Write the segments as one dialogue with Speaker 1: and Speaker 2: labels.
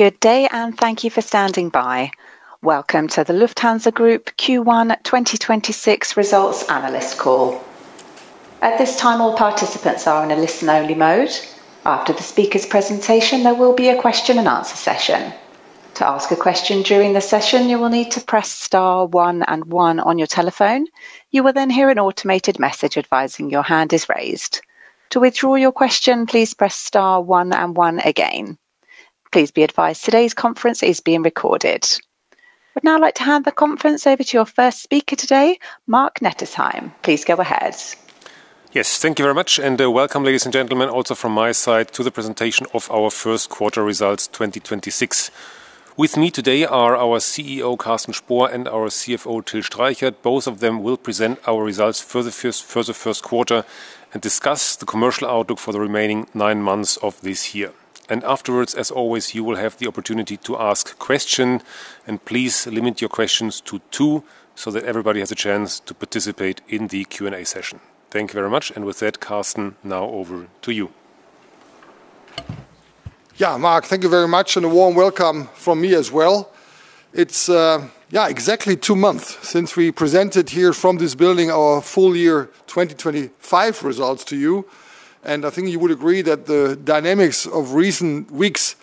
Speaker 1: Good day, and thank you for standing by. Welcome to the Lufthansa Group Q1 2026 results analyst call. At this time, all participants are in a listen-only mode. After the speaker's presentation, there will be a question-and-answer session. To ask a question during the session you will need to press star one and one on your telephone. You will then hear an automated message device in your hand is raised. To withdraw your question, please press star one and one again. Please be advise that this conference is being recorded. Then I'd now like to hand the conference over to your first speaker today, Marc-Dominic Nettesheim. Please go ahead.
Speaker 2: Yes, thank you very much. Welcome, ladies and gentlemen, also from my side to the presentation of our first quarter results 2026. With me today are our CEO, Carsten Spohr, and our CFO, Till Streichert. Both of them will present our results for the first quarter and discuss the commercial outlook for the remaining nine months of this year. Afterwards, as always, you will have the opportunity to ask question and please limit your questions to two, so that everybody has a chance to participate in the Q&A session. Thank you very much. With that, Carsten, now over to you.
Speaker 3: Marc, thank you very much and a warm welcome from me as well. It's exactly two months since we presented here from this building our full year 2025 results to you. I think you would agree that the dynamics of recent weeks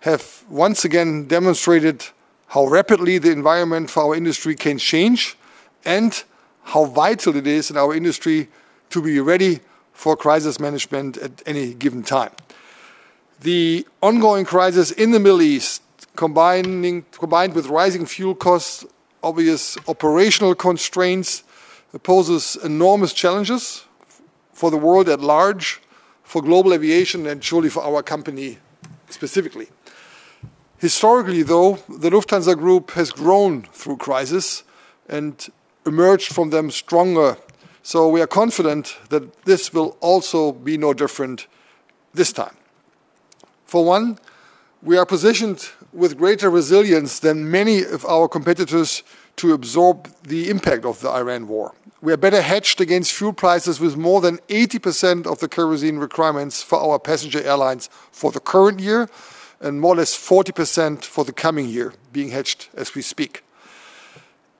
Speaker 3: have once again demonstrated how rapidly the environment for our industry can change and how vital it is in our industry to be ready for crisis management at any given time. The ongoing crisis in the Middle East, combined with rising fuel costs, obvious operational constraints, poses enormous challenges for the world at large, for global aviation, and surely for our company specifically. Historically, though, the Lufthansa Group has grown through crisis and emerged from them stronger. We are confident that this will also be no different this time. For one, we are positioned with greater resilience than many of our competitors to absorb the impact of the Iran war. We are better hedged against fuel prices, with more than 80% of the kerosene requirements for our passenger airlines for the current year and more or less 40% for the coming year being hedged as we speak.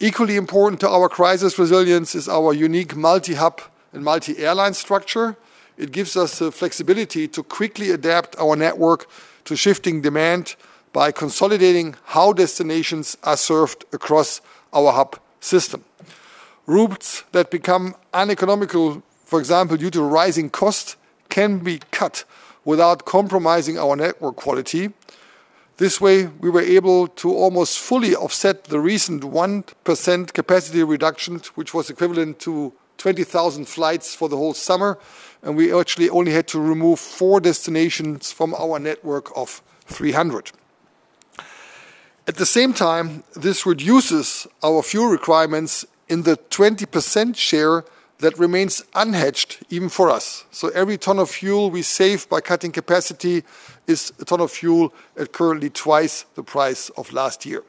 Speaker 3: Equally important to our crisis resilience is our unique multi-hub and multi-airline structure. It gives us the flexibility to quickly adapt our network to shifting demand by consolidating how destinations are served across our hub system. Routes that become uneconomical, for example, due to rising cost, can be cut without compromising our network quality. This way, we were able to almost fully offset the recent 1% capacity reduction, which was equivalent to 20,000 flights for the whole summer, and we actually only had to remove four destinations from our network of 300. At the same time, this reduces our fuel requirements in the 20% share that remains unhedged even for us. Every ton of fuel we save by cutting capacity is a ton of fuel at currently 2x the price of last year.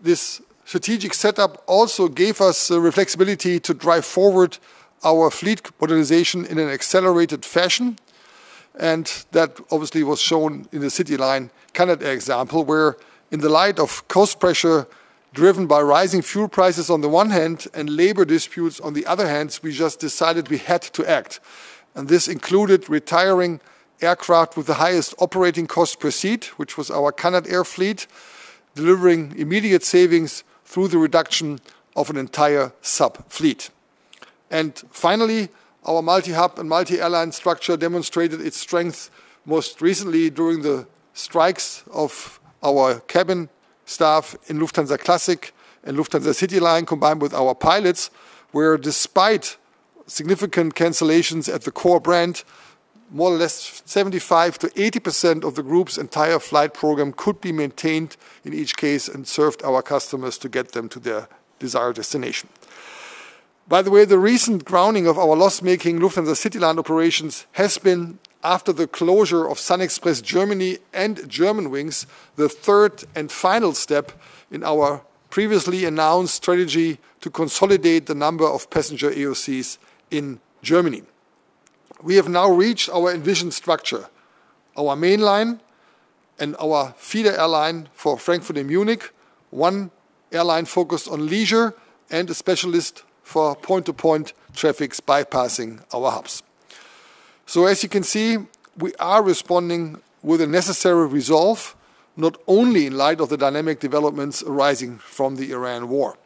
Speaker 3: This strategic setup also gave us the flexibility to drive forward our fleet modernization in an accelerated fashion, that obviously was shown in the Lufthansa CityLine Canadair example, where in the light of cost pressure, driven by rising fuel prices on the one hand and labor disputes on the other hand, we just decided we had to act. This included retiring aircraft with the highest operating cost per seat, which was our Canadair fleet, delivering immediate savings through the reduction of an entire sub-fleet. Finally, our multi-hub and multi-airline structure demonstrated its strength most recently during the strikes of our cabin staff in Lufthansa Classic and Lufthansa CityLine, combined with our pilots, where despite significant cancellations at the core brand, more or less 75%-80% of the group's entire flight program could be maintained in each case and served our customers to get them to their desired destination. By the way, the recent grounding of our loss-making Lufthansa CityLine operations has been, after the closure of SunExpress Germany and Germanwings, the third and final step in our previously announced strategy to consolidate the number of passenger AOCs in Germany. We have now reached our envisioned structure. Our mainline and our feeder airline for Frankfurt and Munich, one airline focused on leisure and a specialist for point-to-point traffic bypassing our hubs. As you can see, we are responding with the necessary resolve, not only in light of the dynamic developments arising from the Iran war.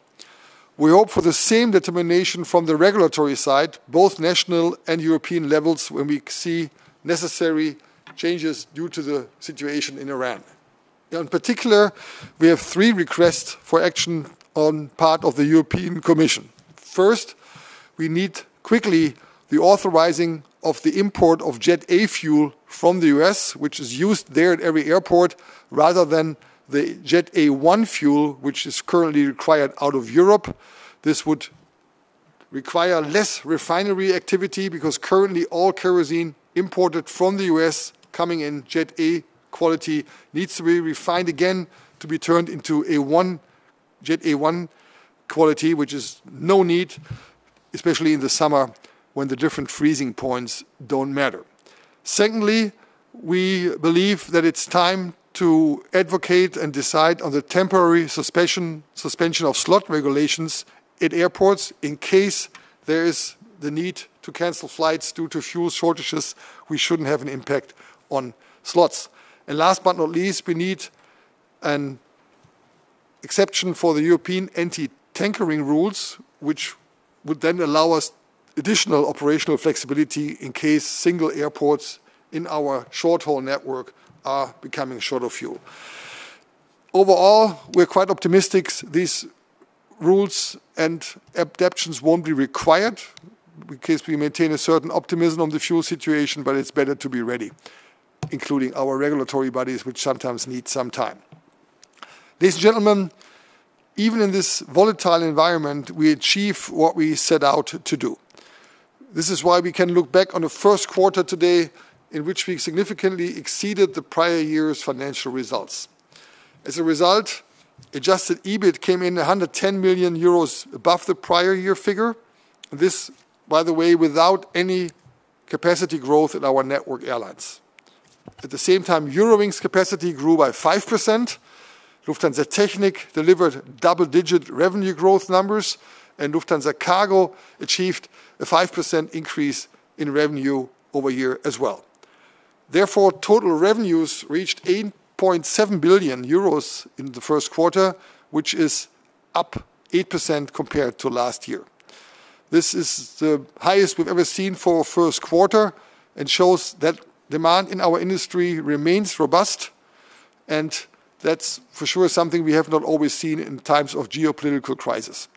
Speaker 3: We hope for the same determination from the regulatory side, both national and European levels, when we see necessary changes due to the situation in Iran. In particular, we have three requests for action on part of the European Commission. First, we need quickly the authorizing of the import of Jet A fuel from the U.S., which is used there at every airport, rather than the Jet A-1 fuel, which is currently required out of Europe. This would require less refinery activity because currently all kerosene imported from the U.S. coming in Jet A quality needs to be refined again to be turned into Jet A-1 quality, which is no need, especially in the summer when the different freezing points don't matter. Secondly, we believe that it's time to advocate and decide on the temporary suspension of slot regulations at airports in case there is the need to cancel flights due to fuel shortages, we shouldn't have an impact on slots. Last but not least, we need an exception for the European anti-tankering rules, which would then allow us additional operational flexibility in case single airports in our short-haul network are becoming short of fuel. Overall, we're quite optimistic these rules and adaptions won't be required because we maintain a certain optimism on the fuel situation, but it's better to be ready, including our regulatory bodies, which sometimes need some time. Ladies and gentlemen, even in this volatile environment, we achieve what we set out to do. This is why we can look back on the first quarter today in which we significantly exceeded the prior year's financial results. As a result, adjusted EBIT came in 110 million euros above the prior year figure. This, by the way, without any capacity growth in our network airlines. At the same time, Eurowings capacity grew by 5%, Lufthansa Technik delivered double-digit revenue growth numbers, and Lufthansa Cargo achieved a 5% increase in revenue over year as well. Therefore, total revenues reached 8.7 billion euros in the first quarter, which is up 8% compared to last year. This is the highest we've ever seen for a first quarter and shows that demand in our industry remains robust, and that's for sure something we have not always seen in times of geopolitical crisis.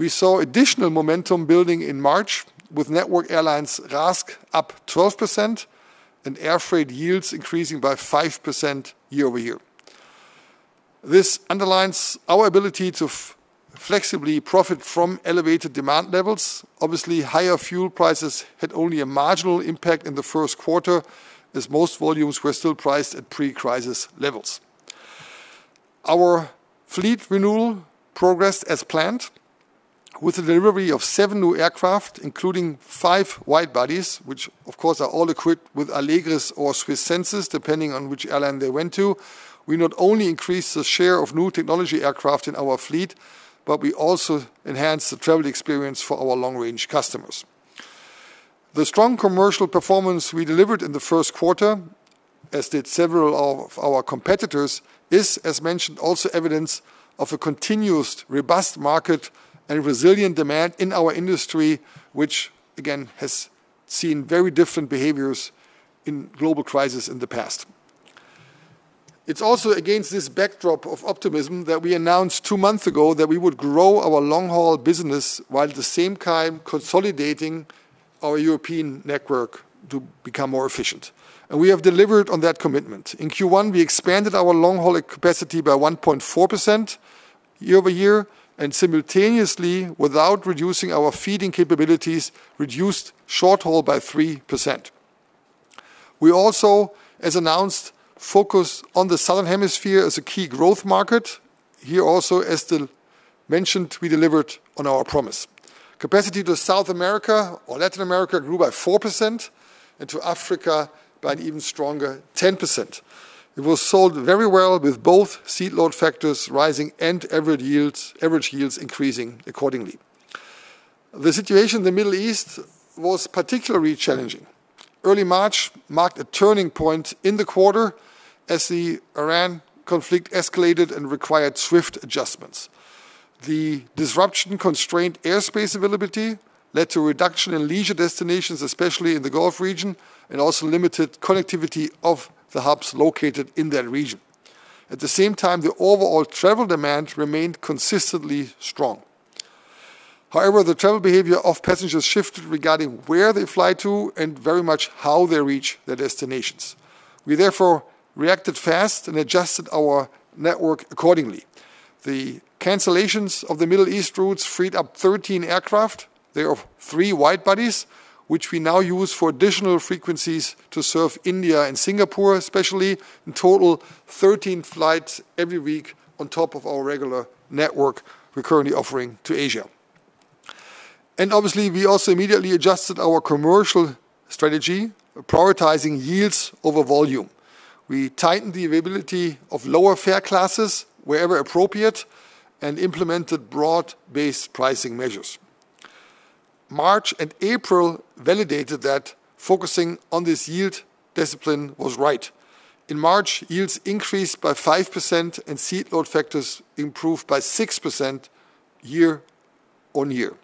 Speaker 3: We saw additional momentum building in March with network airlines RASK up 12% and air freight yields increasing by 5% year-over-year. This underlines our ability to flexibly profit from elevated demand levels. Obviously, higher fuel prices had only a marginal impact in the first quarter, as most volumes were still priced at pre-crisis levels. Our fleet renewal progressed as planned with the delivery of seven new aircraft, including five wide-bodies, which of course are all equipped with Allegris or SWISS Senses, depending on which airline they went to. We not only increased the share of new technology aircraft in our fleet, but we also enhanced the travel experience for our long-range customers. The strong commercial performance we delivered in the first quarter, as did several of our competitors, is, as mentioned, also evidence of a continuous, robust market and resilient demand in our industry, which again has seen very different behaviors in global crisis in the past. It's also against this backdrop of optimism that we announced two months ago that we would grow our long-haul business while at the same time consolidating our European network to become more efficient, and we have delivered on that commitment. In Q1, we expanded our long-haul capacity by 1.4% year-over-year, and simultaneously, without reducing our feeding capabilities, reduced short haul by 3%. We also, as announced, focus on the Southern Hemisphere as a key growth market. Here also, as still mentioned, we delivered on our promise. Capacity to South America or Latin America grew by 4% and to Africa by an even stronger 10%. It was sold very well with both seat load factors rising and average yields, average yields increasing accordingly. The situation in the Middle East was particularly challenging. Early March marked a turning point in the quarter as the Iran conflict escalated and required swift adjustments. The disruption constrained airspace availability led to a reduction in leisure destinations, especially in the Gulf region, and also limited connectivity of the hubs located in that region. At the same time, the overall travel demand remained consistently strong. However, the travel behavior of passengers shifted regarding where they fly to and very much how they reach their destinations. We therefore reacted fast and adjusted our network accordingly. The cancellations of the Middle East routes freed up 13 aircraft. There are three wide-bodies, which we now use for additional frequencies to serve India and Singapore, especially in total 13 flights every week on top of our regular network we're currently offering to Asia. Obviously, we also immediately adjusted our commercial strategy, prioritizing yields over volume. We tightened the availability of lower fare classes wherever appropriate and implemented broad-based pricing measures. March and April validated that focusing on this yield discipline was right. In March, yields increased by 5% and seat load factors improved by 6% year-on-year.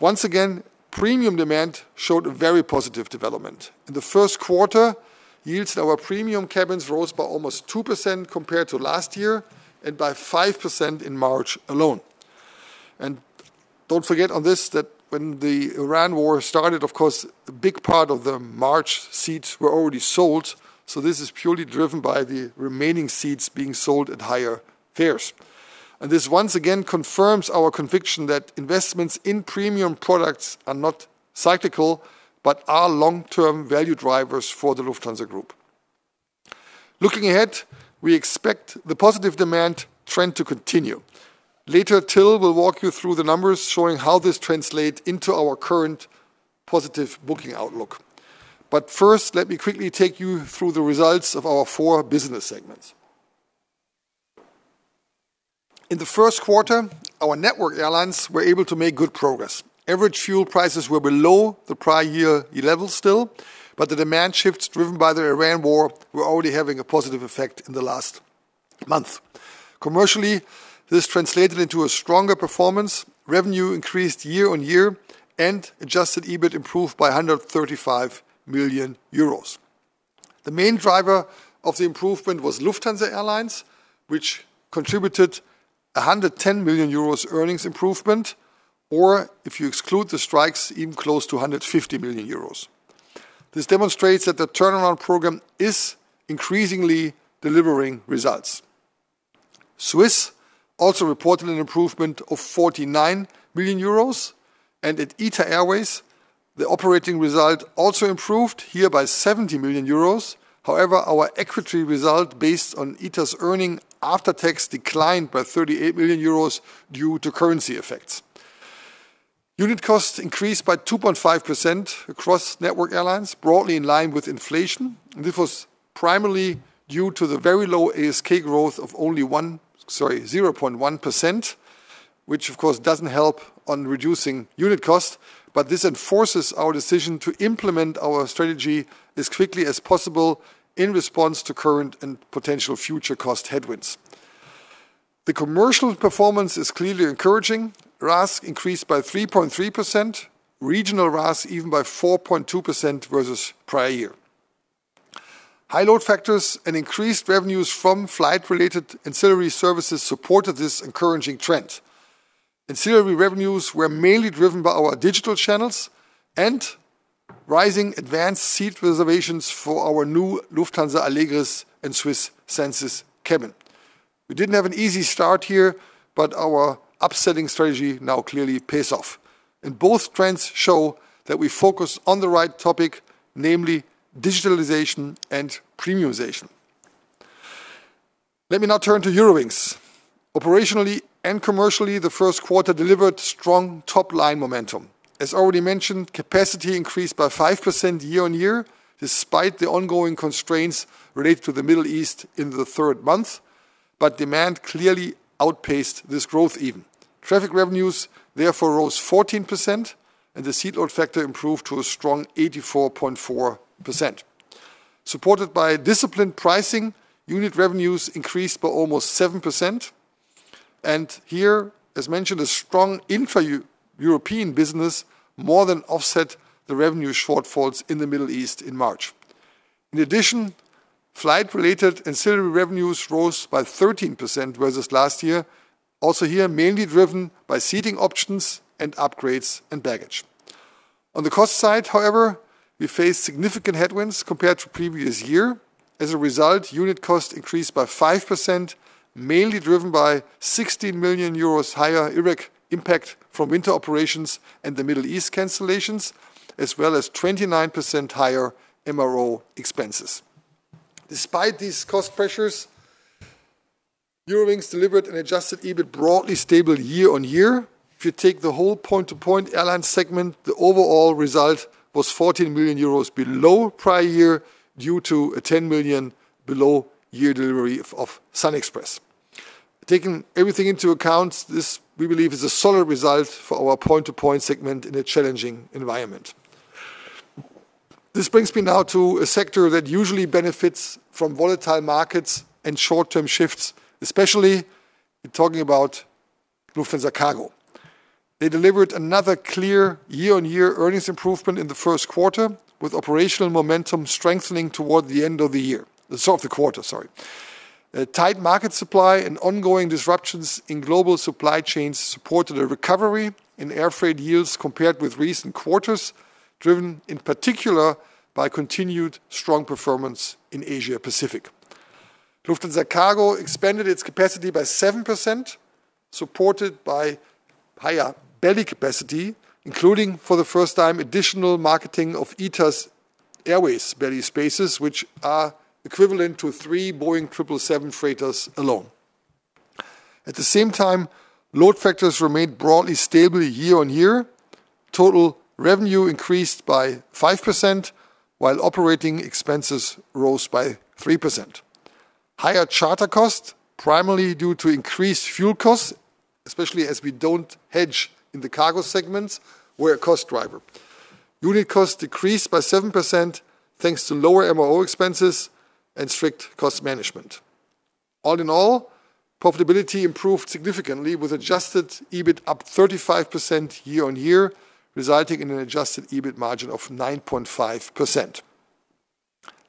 Speaker 3: Once again, premium demand showed a very positive development. In the first quarter, yields in our premium cabins rose by almost 2% compared to last year and by 5% in March alone. Don't forget on this that when the Iran war started, of course, a big part of the March seats were already sold, so this is purely driven by the remaining seats being sold at higher fares. This once again confirms our conviction that investments in premium products are not cyclical, but are long-term value drivers for the Lufthansa Group. Looking ahead, we expect the positive demand trend to continue. Later, Till will walk you through the numbers, showing how this translate into our current positive booking outlook. First, let me quickly take you through the results of our four business segments. In the first quarter, our network airlines were able to make good progress. Average fuel prices were below the prior year level still, but the demand shifts driven by the Iran war were already having a positive effect in the last month. Commercially, this translated into a stronger performance, revenue increased year-on-year, and adjusted EBIT improved by 135 million euros. The main driver of the improvement was Lufthansa Airlines, which contributed 110 million euros earnings improvement, or if you exclude the strikes, even close to 150 million euros. This demonstrates that the turnaround program is increasingly delivering results. SWISS Also reported an improvement of 49 million euros, and at ITA Airways, the operating result also improved, here by 70 million euros. However, our equity result, based on ITA's earning after tax declined by 38 million euros due to currency effects. Unit costs increased by 2.5% across network airlines, broadly in line with inflation. This was primarily due to the very low ASK growth of only 0.1%, which of course doesn't help on reducing unit cost. This enforces our decision to implement our strategy as quickly as possible in response to current and potential future cost headwinds. The commercial performance is clearly encouraging. RASK increased by 3.3%, regional RASK even by 4.2% versus prior year. High load factors and increased revenues from flight-related ancillary services supported this encouraging trend. Ancillary revenues were mainly driven by our digital channels and rising advanced seat reservations for our new Lufthansa Allegris and SWISS Senses cabin. We didn't have an easy start here. Our upselling strategy now clearly pays off, and both trends show that we focus on the right topic, namely digitalization and premiumization. Let me now turn to Eurowings. Operationally and commercially, the first quarter delivered strong top-line momentum. As already mentioned, capacity increased by 5% year-over-year, despite the ongoing constraints related to the Middle East in the third month, demand clearly outpaced this growth even. Traffic revenues therefore rose 14%. The seat load factor improved to a strong 84.4%. Supported by disciplined pricing, unit revenues increased by almost 7%. Here, as mentioned, a strong intra-European business more than offset the revenue shortfalls in the Middle East in March. In addition, flight-related ancillary revenues rose by 13% versus last year, also here, mainly driven by seating options and upgrades and baggage. On the cost side, however, we face significant headwinds compared to previous year. As a result, unit cost increased by 5%, mainly driven by 60 million euros higher IROPS impact from winter operations and the Middle East cancellations, as well as 29% higher MRO expenses. Despite these cost pressures, Eurowings delivered an adjusted EBIT broadly stable year-on-year. If you take the whole point-to-point airline segment, the overall result was 14 million euros below prior year due to a 10 million below year delivery of SunExpress. Taking everything into account, this, we believe, is a solid result for our point-to-point segment in a challenging environment. This brings me now to a sector that usually benefits from volatile markets and short-term shifts, especially talking about Lufthansa Cargo. They delivered another clear year-on-year earnings improvement in the first quarter, with operational momentum strengthening toward the end of the year, sorry, the quarter. A tight market supply and ongoing disruptions in global supply chains supported a recovery in air freight yields compared with recent quarters, driven in particular by continued strong performance in Asia-Pacific. Lufthansa Cargo expanded its capacity by 7%, supported by higher belly capacity, including, for the first time, additional marketing of ITA Airways belly spaces, which are equivalent to three Boeing 777 freighters alone. At the same time, load factors remained broadly stable year-over-year. Total revenue increased by 5%, while operating expenses rose by 3%. Higher charter costs, primarily due to increased fuel costs, especially as we don't hedge in the cargo segments, were a cost driver. Unit costs decreased by 7% thanks to lower MRO expenses and strict cost management. All in all, profitability improved significantly with adjusted EBIT up 35% year-on-year, resulting in an adjusted EBIT margin of 9.5%.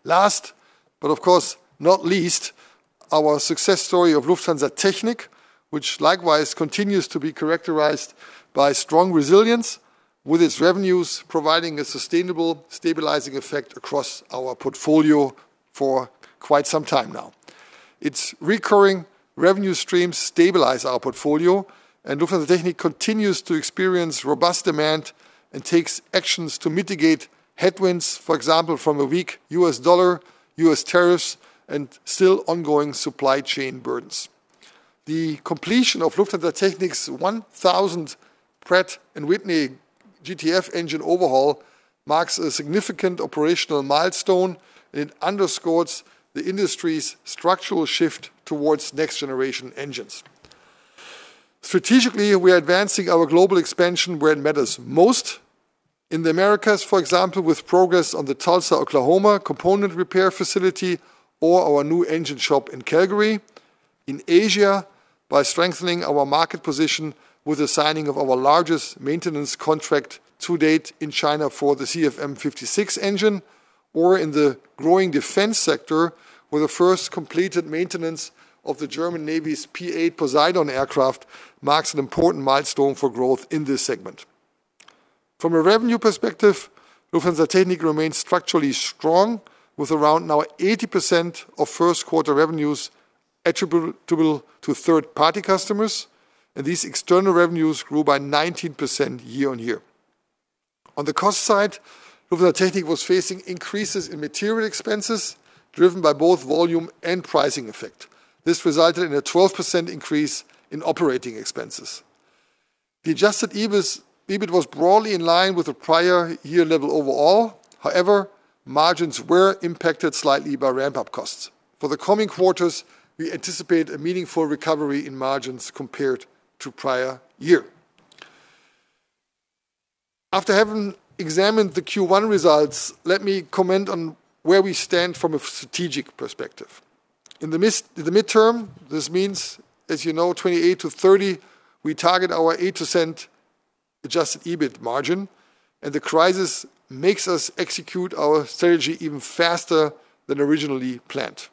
Speaker 3: Last, but of course not least, our success story of Lufthansa Technik, which likewise continues to be characterized by strong resilience with its revenues providing a sustainable stabilizing effect across our portfolio for quite some time now. Its recurring revenue streams stabilize our portfolio, and Lufthansa Technik continues to experience robust demand and takes actions to mitigate headwinds, for example, from a weak US dollar, U.S. tariffs, and still ongoing supply chain burdens. The completion of Lufthansa Technik's 1,000th Pratt & Whitney GTF engine overhaul marks a significant operational milestone, and it underscores the industry's structural shift towards next-generation engines. Strategically, we are advancing our global expansion where it matters most. In the Americas, for example, with progress on the Tulsa, Oklahoma, component repair facility or our new engine shop in Calgary. In Asia, by strengthening our market position with the signing of our largest maintenance contract to date in China for the CFM56 engine, or in the growing defense sector, where the first completed maintenance of the German Navy's P-8 Poseidon aircraft marks an important milestone for growth in this segment. From a revenue perspective, Lufthansa Technik remains structurally strong, with around now 80% of first-quarter revenues attributable to third-party customers. These external revenues grew by 19% year-on-year. On the cost side, Lufthansa Technik was facing increases in material expenses, driven by both volume and pricing effect. This resulted in a 12% increase in operating expenses. The adjusted EBIT was broadly in line with the prior year level overall. However, margins were impacted slightly by ramp-up costs. For the coming quarters, we anticipate a meaningful recovery in margins compared to prior year. After having examined the Q1 results, let me comment on where we stand from a strategic perspective. In the midterm, this means, as you know, '28 to '30, we target our 8% adjusted EBIT margin. The crisis makes us execute our strategy even faster than originally planned.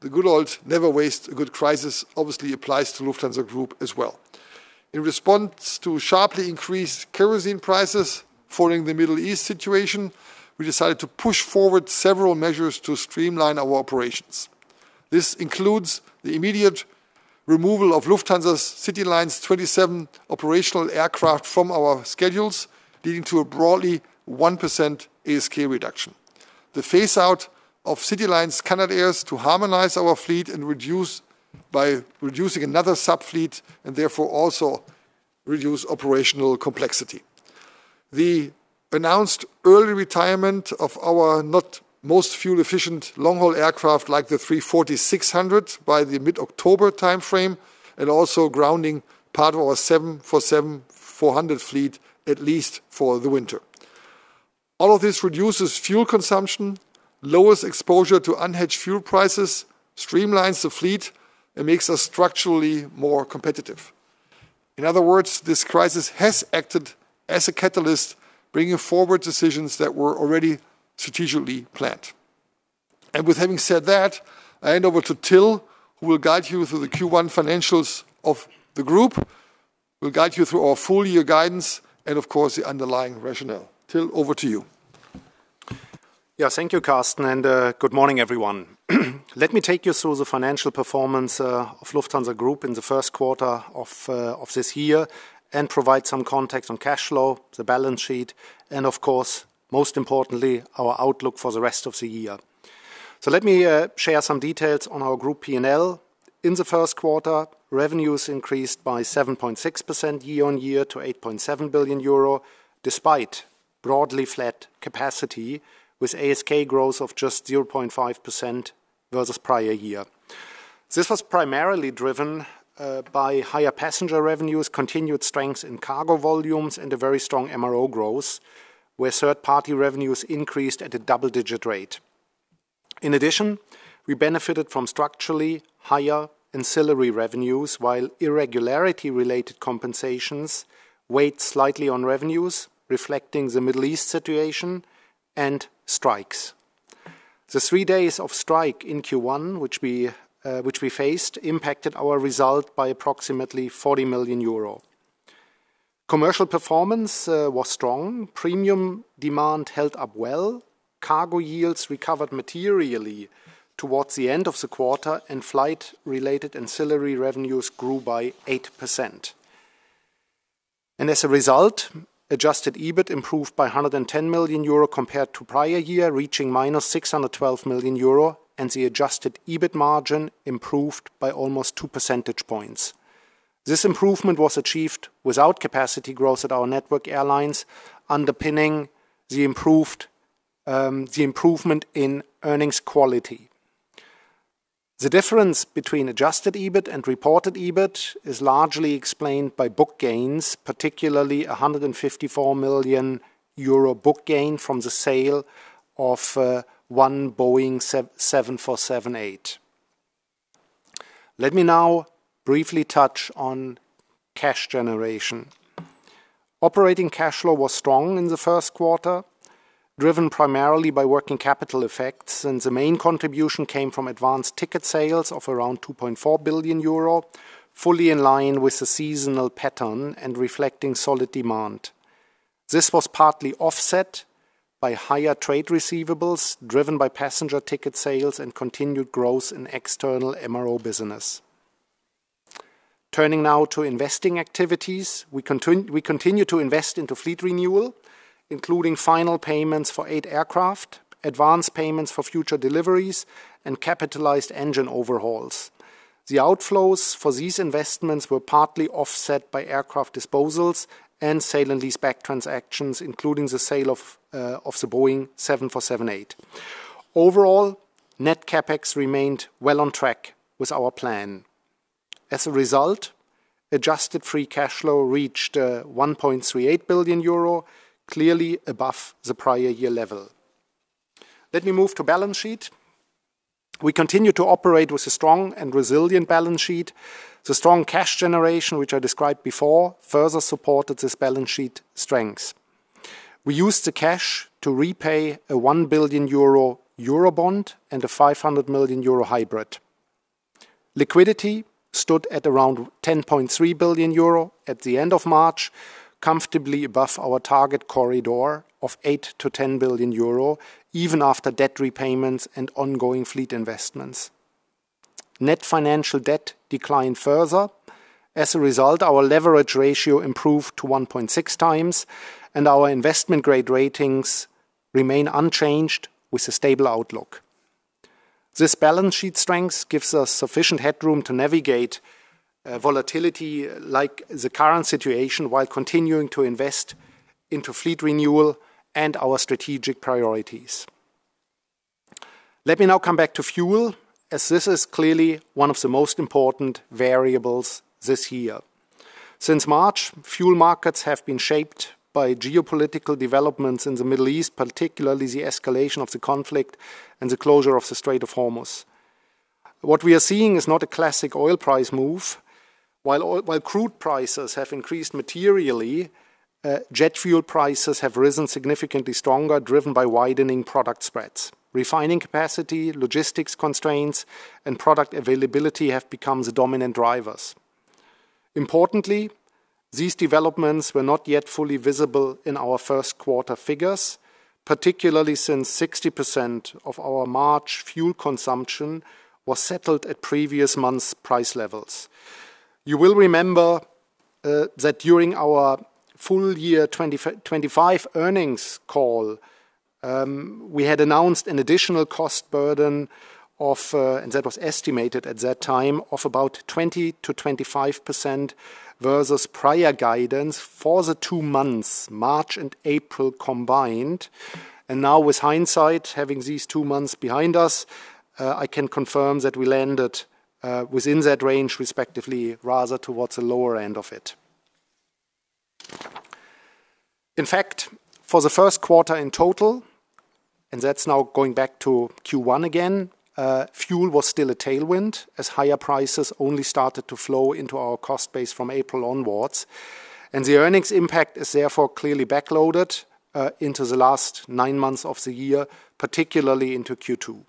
Speaker 3: The good old never waste a good crisis obviously applies to Lufthansa Group as well. In response to sharply increased kerosene prices following the Middle East situation, we decided to push forward several measures to streamline our operations. This includes the immediate removal of Lufthansa CityLine's 27 operational aircraft from our schedules, leading to a broadly 1% ASK reduction. The phase out of Lufthansa CityLine's Canadairs to harmonize our fleet and reduce by reducing another subfleet and therefore also reduce operational complexity. The announced early retirement of our not most fuel-efficient long-haul aircraft like the A340-600 by the mid-October timeframe and also grounding part of our 747-400 fleet, at least for the winter. All of this reduces fuel consumption, lowers exposure to unhedged fuel prices, streamlines the fleet, and makes us structurally more competitive. In other words, this crisis has acted as a catalyst, bringing forward decisions that were already strategically planned. With having said that, I hand over to Till, who will guide you through the Q1 financials of the group. We'll guide you through our full year guidance and of course, the underlying rationale. Till, over to you.
Speaker 4: Yeah. Thank you, Carsten, and good morning, everyone. Let me take you through the financial performance of Lufthansa Group in the first quarter of this year and provide some context on cash flow, the balance sheet, and of course, most importantly, our outlook for the rest of the year. Let me share some details on our group P&L. In the first quarter, revenues increased by 7.6% year-on-year to 8.7 billion euro, despite broadly flat capacity with ASK growth of just 0.5% versus prior year. This was primarily driven by higher passenger revenues, continued strength in cargo volumes, and a very strong MRO growth, where third-party revenues increased at a double-digit rate. In addition, we benefited from structurally higher ancillary revenues while irregularity-related compensations weighed slightly on revenues, reflecting the Middle East situation and strikes. The three days of strike in Q1, which we faced, impacted our result by approximately 40 million euro. Commercial performance was strong. Premium demand held up well. Cargo yields recovered materially towards the end of the quarter, flight-related ancillary revenues grew by 8%. As a result, adjusted EBIT improved by 110 million euro compared to prior year, reaching minus 612 million euro, and the adjusted EBIT margin improved by almost 2 percentage points. This improvement was achieved without capacity growth at our network airlines, underpinning the improvement in earnings quality. The difference between adjusted EBIT and reported EBIT is largely explained by book gains, particularly a 154 million euro book gain from the sale of 1 Boeing 747-8. Let me now briefly touch on cash generation. Operating cash flow was strong in the first quarter, driven primarily by working capital effects, and the main contribution came from advanced ticket sales of around 2.4 billion euro, fully in line with the seasonal pattern and reflecting solid demand. This was partly offset by higher trade receivables, driven by passenger ticket sales and continued growth in external MRO business. Turning now to investing activities, we continue to invest into fleet renewal, including final payments for eight aircraft, advanced payments for future deliveries, and capitalized engine overhauls. The outflows for these investments were partly offset by aircraft disposals and sale and leaseback transactions, including the sale of the Boeing 747-8. Overall, net CapEx remained well on track with our plan. As a result, adjusted free cash flow reached 1.38 billion euro, clearly above the prior year level. Let me move to balance sheet. We continue to operate with a strong and resilient balance sheet. The strong cash generation, which I described before, further supported this balance sheet strength. We used the cash to repay a 1 billion euro Eurobond and a 500 million euro hybrid. Liquidity stood at around 10.3 billion euro at the end of March, comfortably above our target corridor of 8 billion-10 billion euro, even after debt repayments and ongoing fleet investments. Net financial debt declined further. As a result, our leverage ratio improved to 1.6x, and our investment-grade ratings remain unchanged with a stable outlook. This balance sheet strength gives us sufficient headroom to navigate volatility like the current situation while continuing to invest into fleet renewal and our strategic priorities. Let me now come back to fuel, as this is clearly one of the most important variables this year. Since March, fuel markets have been shaped by geopolitical developments in the Middle East, particularly the escalation of the conflict and the closure of the Strait of Hormuz. What we are seeing is not a classic oil price move. While crude prices have increased materially, jet fuel prices have risen significantly stronger, driven by widening product spreads. Refining capacity, logistics constraints, and product availability have become the dominant drivers. Importantly, these developments were not yet fully visible in our first quarter figures, particularly since 60% of our March fuel consumption was settled at previous months' price levels. You will remember that during our full year 2025 earnings call, we had announced an additional cost burden of, and that was estimated at that time, of about 20%-25% versus prior guidance for the two months, March and April combined. Now with hindsight, having these two months behind us, I can confirm that we landed within that range respectively, rather towards the lower end of it. In fact, for the first quarter in total, and that's now going back to Q1 again, fuel was still a tailwind as higher prices only started to flow into our cost base from April onwards, and the earnings impact is therefore clearly backloaded into the last nine months of the year, particularly into Q2.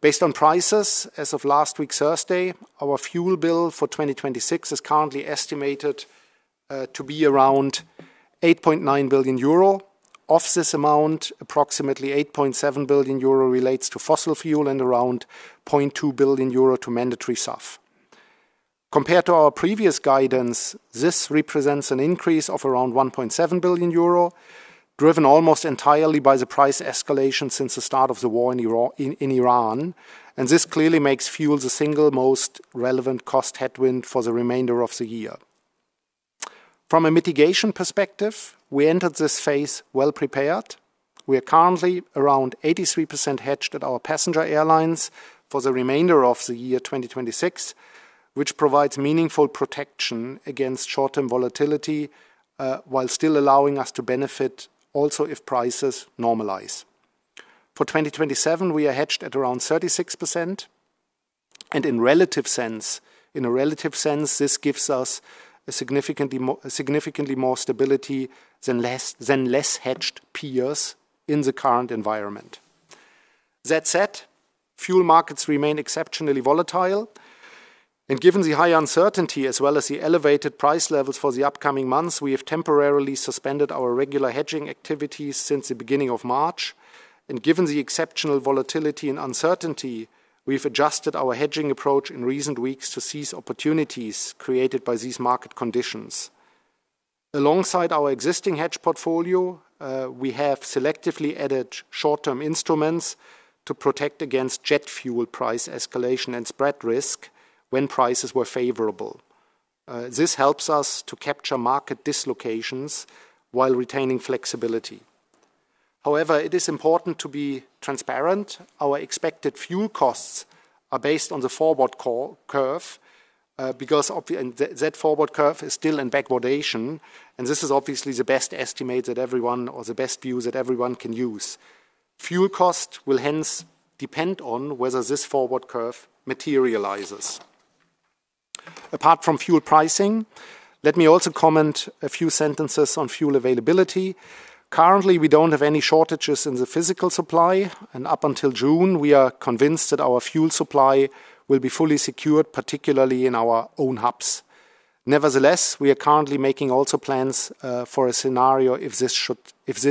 Speaker 4: Based on prices as of last week Thursday, our fuel bill for 2026 is currently estimated to be around 8.9 billion euro. Of this amount, approximately 8.7 billion euro relates to fossil fuel and around 0.2 billion euro to mandatory SAF. Compared to our previous guidance, this represents an increase of around 1.7 billion euro, driven almost entirely by the price escalation since the start of the war in Iran. This clearly makes fuel the single most relevant cost headwind for the remainder of the year. From a mitigation perspective, we entered this phase well prepared. We are currently around 83% hedged at our passenger airlines for the remainder of the year 2026, which provides meaningful protection against short-term volatility, while still allowing us to benefit also if prices normalize. For 2027, we are hedged at around 36%. In a relative sense, this gives us significantly more stability than less hedged peers in the current environment. That said, fuel markets remain exceptionally volatile, and given the high uncertainty as well as the elevated price levels for the upcoming months, we have temporarily suspended our regular hedging activities since the beginning of March. Given the exceptional volatility and uncertainty, we've adjusted our hedging approach in recent weeks to seize opportunities created by these market conditions. Alongside our existing hedge portfolio, we have selectively added short-term instruments to protect against jet fuel price escalation and spread risk when prices were favorable. This helps us to capture market dislocations while retaining flexibility. However, it is important to be transparent. Our expected fuel costs are based on the forward curve, because that forward curve is still in backwardation. This is obviously the best estimate that everyone or the best view that everyone can use. Fuel cost will hence depend on whether this forward curve materializes. Apart from fuel pricing, let me also comment a few sentences on fuel availability. Currently, we don't have any shortages in the physical supply, and up until June, we are convinced that our fuel supply will be fully secured, particularly in our own hubs. Nevertheless, we are currently making also plans for a scenario if this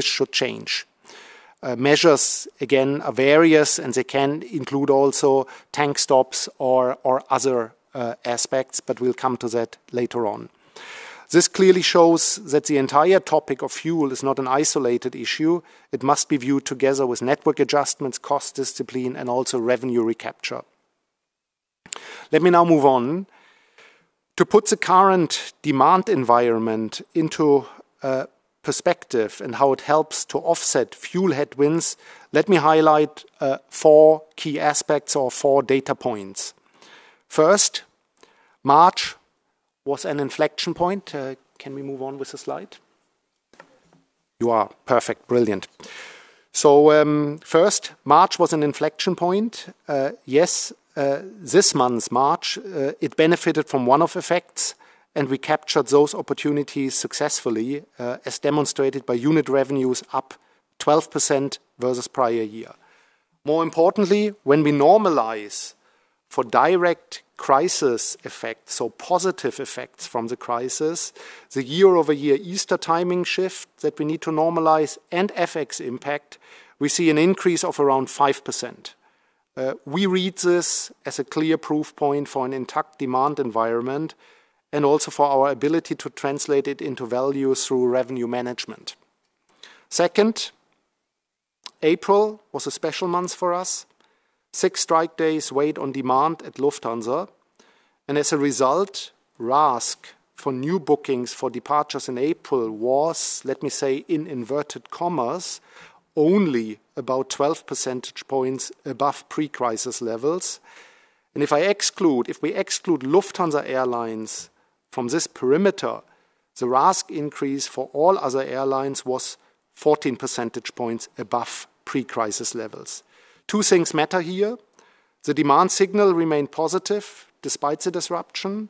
Speaker 4: should change. Measures, again, are various, and they can include also tank stops or other aspects, but we'll come to that later on. This clearly shows that the entire topic of fuel is not an isolated issue. It must be viewed together with network adjustments, cost discipline, and also revenue recapture. Let me now move on. To put the current demand environment into perspective and how it helps to offset fuel headwinds, let me highlight four key aspects or 4 data points. First, March was an inflection point. Can we move on with the slide? You are perfect. Brilliant. First, March was an inflection point. This month, March, it benefited from one-off effects, and we captured those opportunities successfully, as demonstrated by unit revenues up 12% versus prior year. More importantly, when we normalize for direct crisis effects or positive effects from the crisis, the year-over-year Easter timing shift that we need to normalize and FX impact, we see an increase of around 5%. We read this as a clear proof point for an intact demand environment and also for our ability to translate it into value through revenue management. Second, April was a special month for us. six strike days weighed on demand at Lufthansa, As a result, RASK for new bookings for departures in April was, let me say, in inverted commas, only about 12 percentage points above pre-crisis levels. If I exclude, if we exclude Lufthansa Airlines from this perimeter, the RASK increase for all other airlines was 14 percentage points above pre-crisis levels. Two things matter here. The demand signal remained positive despite the disruption,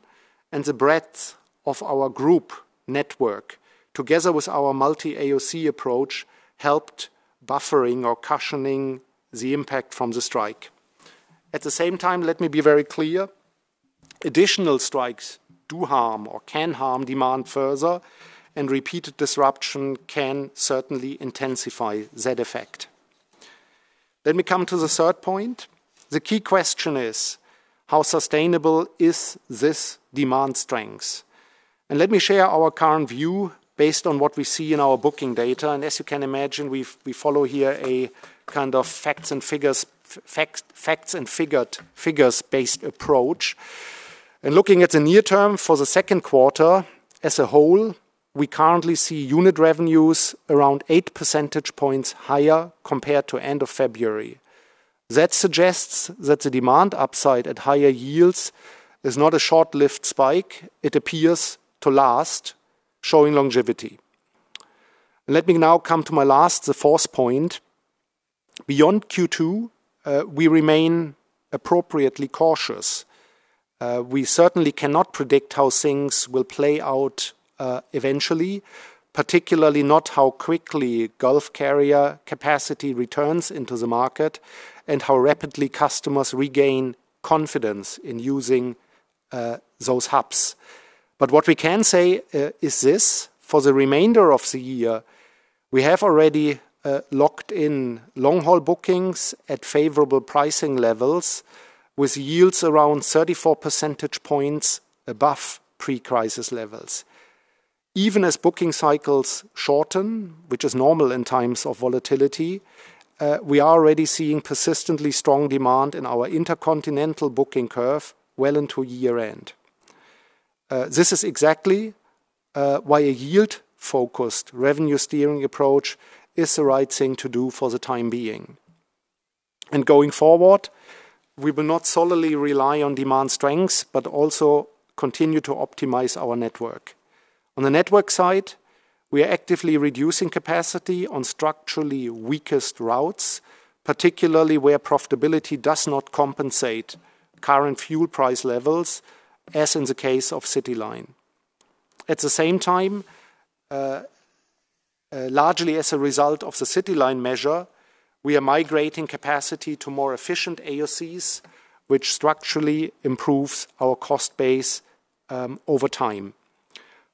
Speaker 4: the breadth of our group network, together with our multi-AOC approach, helped buffering or cushioning the impact from the strike. At the same time, let me be very clear, additional strikes do harm or can harm demand further, repeated disruption can certainly intensify that effect. Let me come to the third point. The key question is: How sustainable is this demand strength? Let me share our current view based on what we see in our booking data. As you can imagine, we follow here a kind of facts and figures-based approach. Looking at the near term for the second quarter as a whole, we currently see unit revenues around 8 percentage points higher compared to end of February. That suggests that the demand upside at higher yields is not a short-lived spike. It appears to last, showing longevity. Let me now come to my last, the fourth point. Beyond Q2, we remain appropriately cautious. We certainly cannot predict how things will play out eventually, particularly not how quickly Gulf carrier capacity returns into the market and how rapidly customers regain confidence in using those hubs. What we can say is this: For the remainder of the year, we have already locked in long-haul bookings at favorable pricing levels with yields around 34 percentage points above pre-crisis levels. Even as booking cycles shorten, which is normal in times of volatility, we are already seeing persistently strong demand in our intercontinental booking curve well into year-end. This is exactly why a yield-focused revenue steering approach is the right thing to do for the time being. Going forward, we will not solely rely on demand strengths but also continue to optimize our network. On the network side, we are actively reducing capacity on structurally weakest routes, particularly where profitability does not compensate current fuel price levels, as in the case of CityLine. At the same time, largely as a result of the CityLine measure, we are migrating capacity to more efficient AOCs, which structurally improves our cost base over time.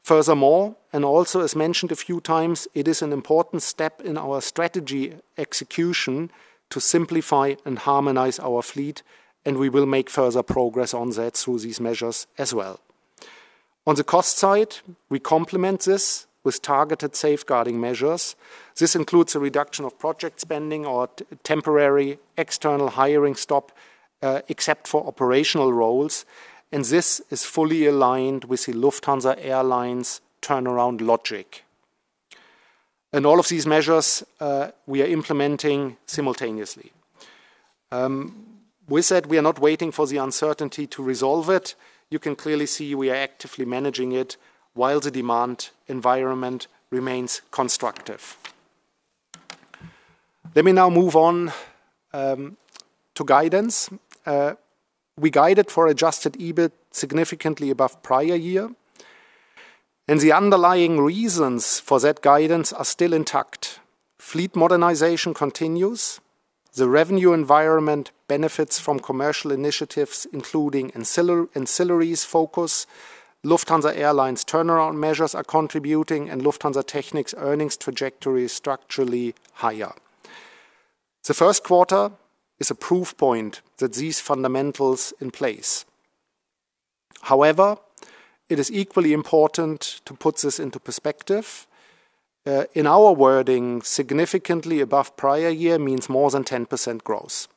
Speaker 4: Furthermore, and also as mentioned a few times, it is an important step in our strategy execution to simplify and harmonize our fleet, and we will make further progress on that through these measures as well. On the cost side, we complement this with targeted safeguarding measures. This includes a reduction of project spending or temporary external hiring stop, except for operational roles, and this is fully aligned with the Lufthansa Airlines turnaround logic. All of these measures, we are implementing simultaneously. With that, we are not waiting for the uncertainty to resolve it. You can clearly see we are actively managing it while the demand environment remains constructive. Let me now move on to guidance. We guided for adjusted EBIT significantly above prior year, the underlying reasons for that guidance are still intact. Fleet modernization continues, the revenue environment benefits from commercial initiatives, including ancillaries focus, Lufthansa Airlines turnaround measures are contributing, Lufthansa Technik's earnings trajectory structurally higher. The first quarter is a proof point that these fundamentals in place. However, it is equally important to put this into perspective. In our wording, significantly above prior year means more than 10% growth.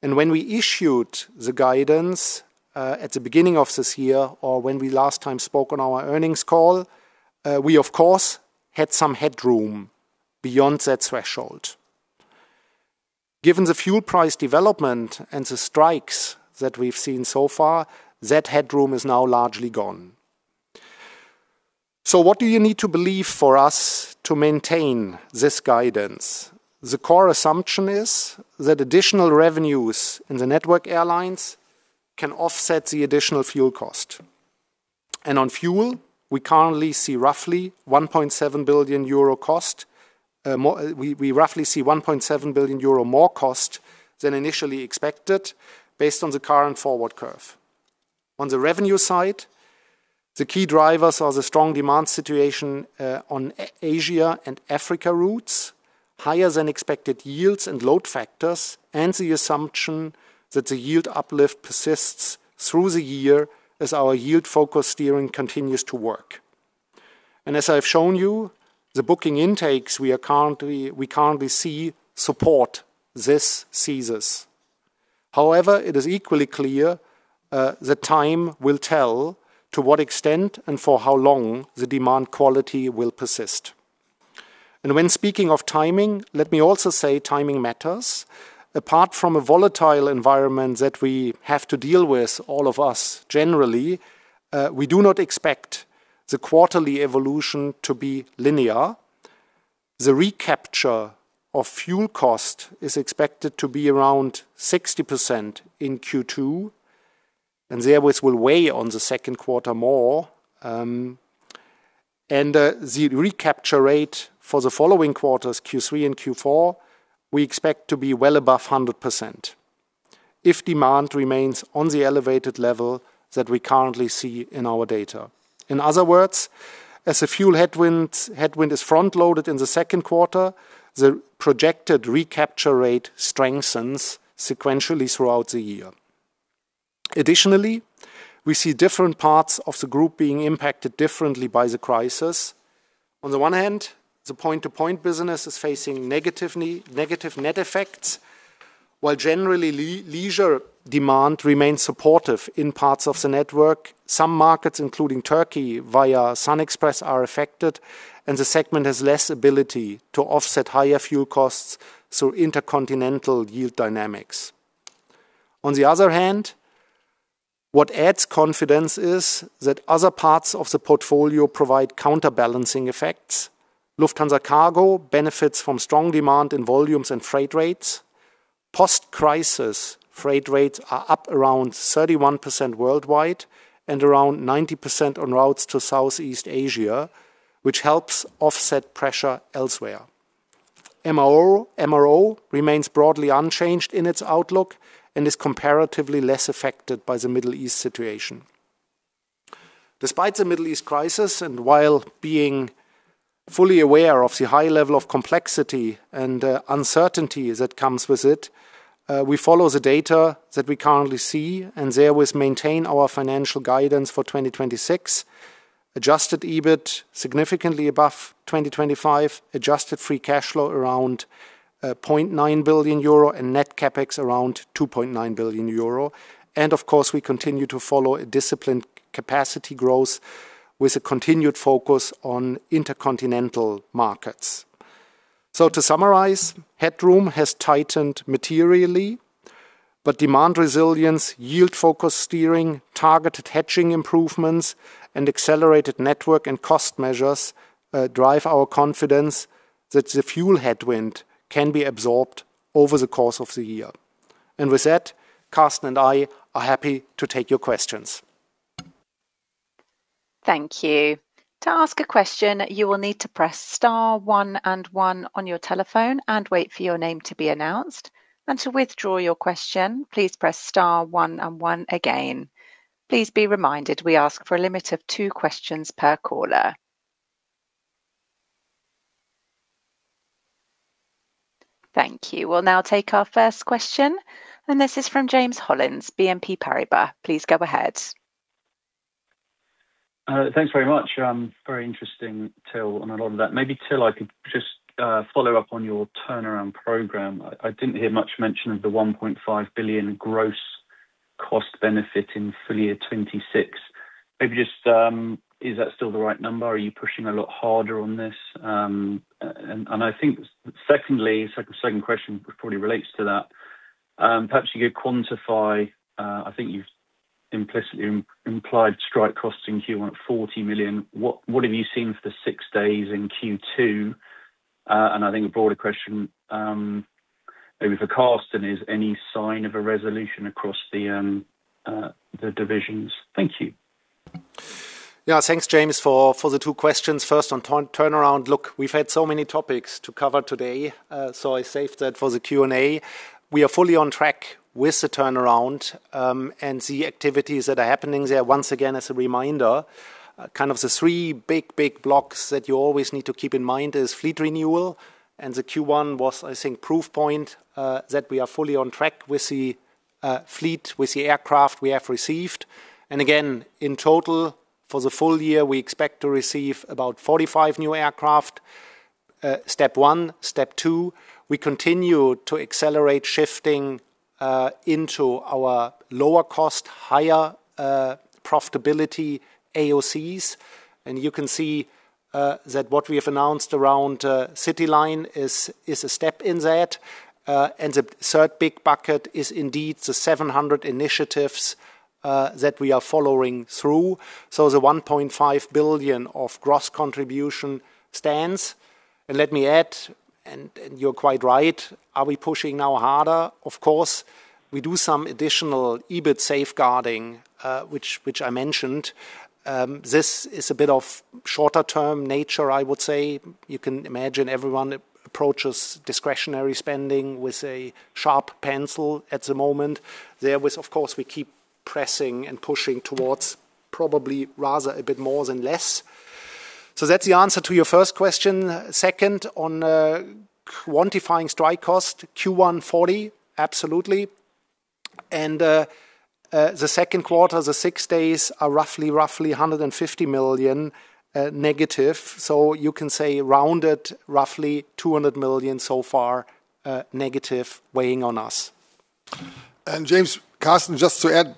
Speaker 4: When we issued the guidance at the beginning of this year, or when we last time spoke on our earnings call, we of course had some headroom beyond that threshold. Given the fuel price development and the strikes that we've seen so far, that headroom is now largely gone. What do you need to believe for us to maintain this guidance? The core assumption is that additional revenues in the network airlines can offset the additional fuel cost. On fuel, we currently see roughly 1.7 billion euro more cost than initially expected based on the current forward curve. On the revenue side, the key drivers are the strong demand situation on Asia and Africa routes, higher-than-expected yields and load factors, and the assumption that the yield uplift persists through the year as our yield-focused steering continues to work. As I've shown you, the booking intakes we currently see support this thesis. However, it is equally clear that time will tell to what extent and for how long the demand quality will persist. When speaking of timing, let me also say timing matters. Apart from a volatile environment that we have to deal with, all of us, generally, we do not expect the quarterly evolution to be linear. The recapture of fuel cost is expected to be around 60% in Q2, and there it will weigh on the second quarter more. The recapture rate for the following quarters, Q3 and Q4, we expect to be well above 100% if demand remains on the elevated level that we currently see in our data. In other words, as the fuel headwind is front-loaded in the second quarter, the projected recapture rate strengthens sequentially throughout the year. Additionally, we see different parts of the group being impacted differently by the crisis. On the one hand, the point-to-point business is facing negative net effects. While generally leisure demand remains supportive in parts of the network, some markets, including Türkiye via SunExpress, are affected, and the segment has less ability to offset higher fuel costs through intercontinental yield dynamics. On the other hand, what adds confidence is that other parts of the portfolio provide counterbalancing effects. Lufthansa Cargo benefits from strong demand in volumes and freight rates. Post-crisis freight rates are up around 31% worldwide and around 90% on routes to Southeast Asia, which helps offset pressure elsewhere. MRO remains broadly unchanged in its outlook and is comparatively less affected by the Middle East situation. Despite the Middle East crisis, while being fully aware of the high level of complexity and uncertainty that comes with it, we follow the data that we currently see and there always maintain our financial guidance for 2026. Adjusted EBIT significantly above 2025, adjusted free cash flow around 0.9 billion euro, and net CapEx around 2.9 billion euro. Of course, we continue to follow a disciplined capacity growth with a continued focus on intercontinental markets. To summarize, headroom has tightened materially, but demand resilience, yield-focused steering, targeted hedging improvements, and accelerated network and cost measures drive our confidence that the fuel headwind can be absorbed over the course of the year. With that, Carsten and I are happy to take your questions.
Speaker 1: Thank you. To ask a question, you will need to press star one and one on your telephone and wait for your name to be announced. To withdraw your question, please press star one and one again. Please be reminded, we ask for a limit of two questions per caller. Thank you. We'll now take our first question. This is from James Hollins, BNP Paribas. Please go ahead.
Speaker 5: Thanks very much. Very interesting, Till, on a lot of that. Maybe, Till, I could just follow up on your turnaround program. I didn't hear much mention of the 1.5 billion gross cost benefit in full year 2026. Maybe just, is that still the right number? Are you pushing a lot harder on this? I think secondly, second question probably relates to that, perhaps you could quantify, I think you've implicitly implied strike costs in Q1, 40 million. What have you seen for the six days in Q2? I think a broader question, maybe for Carsten, is any sign of a resolution across the divisions? Thank you.
Speaker 4: Yeah, thanks James for the two questions. First on turnaround. Look, we've had so many topics to cover today, I saved that for the Q&A. We are fully on track with the turnaround and the activities that are happening there. Once again as a reminder, kind of the three big blocks that you always need to keep in mind is fleet renewal, the Q1 was, I think, proof point that we are fully on track with the fleet, with the aircraft we have received. Again, in total, for the full year, we expect to receive about 45 new aircraft, step 1. Step 2, we continue to accelerate shifting into our lower cost, higher profitability AOCs. You can see that what we have announced around CityLine is a step in that. The third big bucket is indeed the 700 initiatives that we are following through. The 1.5 billion of gross contribution stands. Let me add, you're quite right, are we pushing now harder? Of course. We do some additional EBIT safeguarding, which I mentioned. This is a bit of shorter term nature, I would say. You can imagine everyone approaches discretionary spending with a sharp pencil at the moment. There was, of course, we keep pressing and pushing towards probably rather a bit more than less. That's the answer to your first question. Second, on quantifying strike cost, Q1, 40 million, absolutely. The second quarter, the six days are roughly 150 million negative. You can say rounded roughly 200 million so far negative weighing on us.
Speaker 3: James, Carsten, just to add,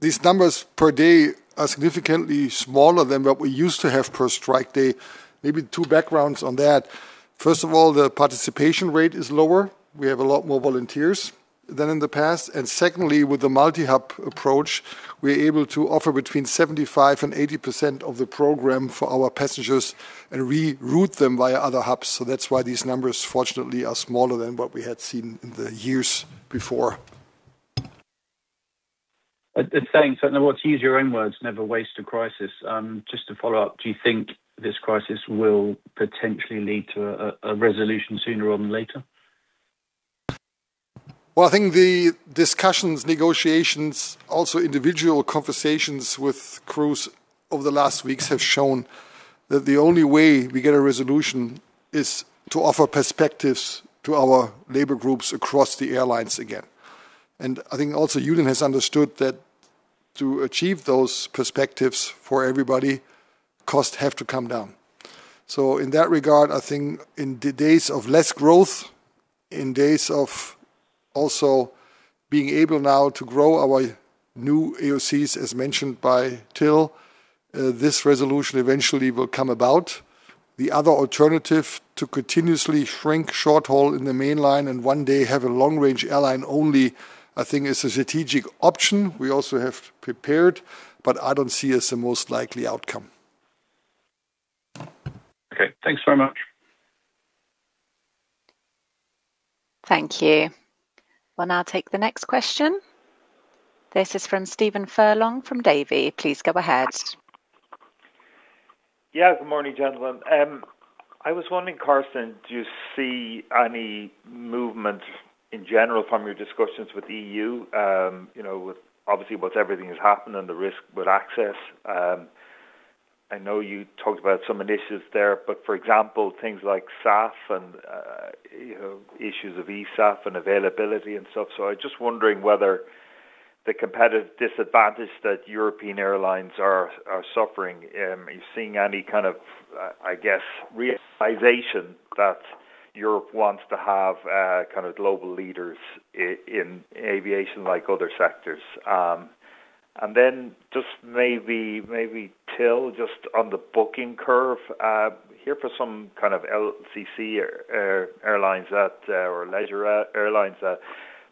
Speaker 3: these numbers per day are significantly smaller than what we used to have per strike day. Maybe two backgrounds on that. First of all, the participation rate is lower. We have a lot more volunteers than in the past. Secondly, with the multi-hub approach, we're able to offer between 75% and 80% of the program for our passengers and reroute them via other hubs. That's why these numbers, fortunately, are smaller than what we had seen in the years before.
Speaker 5: Thanks. To use your own words, never waste a crisis. Just to follow up, do you think this crisis will potentially lead to a resolution sooner rather than later?
Speaker 3: Well, I think the discussions, negotiations, also individual conversations with crews over the last weeks have shown that the only way we get a resolution is to offer perspectives to our labor groups across the airlines again. I think also Union has understood that to achieve those perspectives for everybody, costs have to come down. In that regard, I think in the days of less growth, in days of also being able now to grow our new AOCs, as mentioned by Till, this resolution eventually will come about. The other alternative to continuously shrink short haul in the mainline and one day have a long-range airline only, I think is a strategic option we also have prepared, but I don't see as the most likely outcome.
Speaker 5: Okay, thanks very much.
Speaker 1: Thank you. We'll now take the next question. This is from Stephen Furlong from Davy. Please go ahead.
Speaker 6: Yeah, good morning, gentlemen. I was wondering, Carsten, do you see any movement in general from your discussions with EU, you know, with obviously what everything has happened and the risk with access? I know you talked about some initiatives there, but for example, things like SAF and, you know, issues of eSAF and availability and stuff. I was just wondering whether the competitive disadvantage that European airlines are suffering, are you seeing any kind of, I guess, realization that Europe wants to have kind of global leaders in aviation like other sectors? Just maybe, Till, just on the booking curve, hear for some kind of LCC airlines that, or leisure airlines that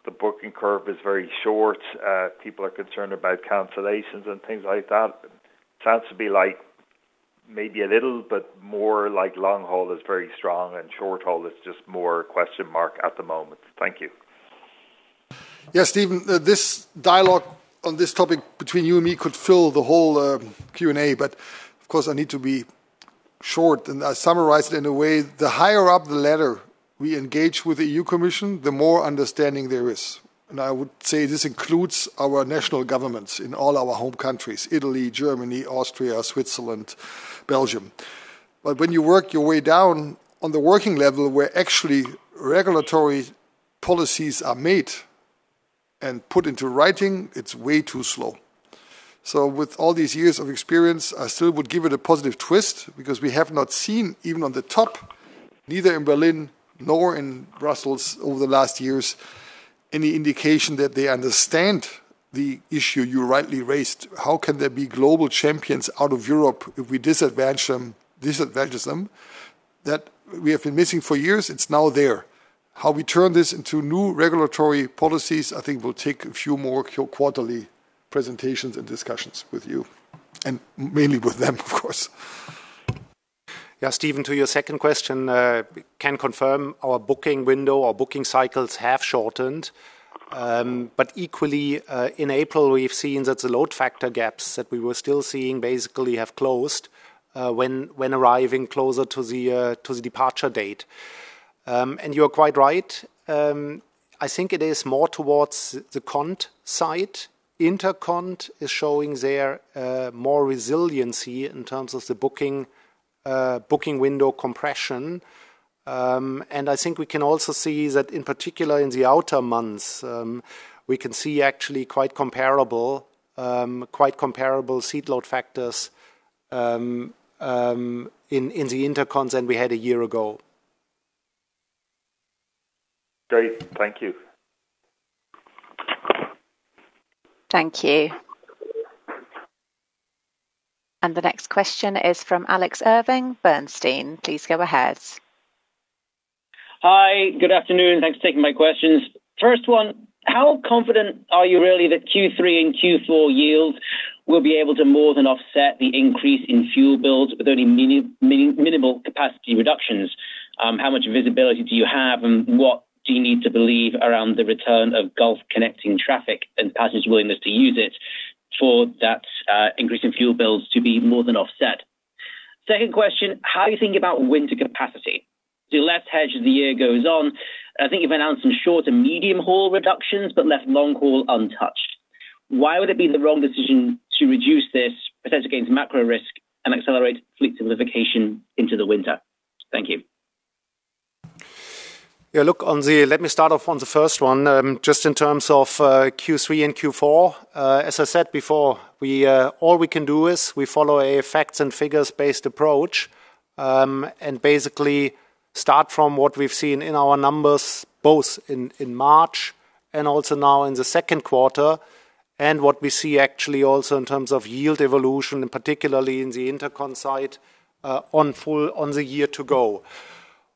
Speaker 6: the booking curve is very short. People are concerned about cancellations and things like that. It sounds to be like maybe a little, but more like long haul is very strong and short haul is just more question mark at the moment. Thank you.
Speaker 3: Stephen, this dialogue on this topic between you and me could fill the whole Q&A, but of course, I need to be short, and I summarize it in a way, the higher up the ladder we engage with the EU Commission, the more understanding there is. I would say this includes our national governments in all our home countries, Italy, Germany, Austria, Switzerland, Belgium. When you work your way down on the working level, where actually regulatory policies are made and put into writing, it's way too slow. With all these years of experience, I still would give it a positive twist because we have not seen, even on the top, neither in Berlin nor in Brussels over the last years, any indication that they understand the issue you rightly raised. How can there be global champions out of Europe if we disadvantages them? That we have been missing for years, it's now there. How we turn this into new regulatory policies, I think will take a few more quarterly presentations and discussions with you, and mainly with them, of course.
Speaker 4: Yeah, Stephen, to your second question, can confirm our booking window, our booking cycles have shortened. Equally, in April, we've seen that the load factor gaps that we were still seeing basically have closed, when arriving closer to the departure date. You are quite right. I think it is more towards the cont side. Intercont is showing there, more resiliency in terms of the booking window compression. I think we can also see that in particular in the outer months, we can see actually quite comparable, quite comparable seat load factors, in the intercont than we had a year ago.
Speaker 6: Great. Thank you.
Speaker 1: Thank you. The next question is from Alex Irving, Bernstein. Please go ahead.
Speaker 7: Hi, good afternoon. Thanks for taking my questions. First one, how confident are you really that Q3 and Q4 yields will be able to more than offset the increase in fuel bills with only minimal capacity reductions? How much visibility do you have, and what do you need to believe around the return of Gulf connecting traffic and passengers' willingness to use it for that, increase in fuel bills to be more than offset? Second question, how are you thinking about winter capacity? The less hedge of the year goes on, I think you've announced some short- to medium-haul reductions, but left long haul untouched. Why would it be the wrong decision to reduce this potentially against macro risk and accelerate fleet simplification into the winter? Thank you.
Speaker 4: Yeah, look, on the Let me start off on the first one. Just in terms of Q3 and Q4, as I said before, we all we can do is we follow a facts and figures-based approach, and basically start from what we've seen in our numbers, both in March and also now in the second quarter, and what we see actually also in terms of yield evolution, and particularly in the intercont side, on full, on the year to go.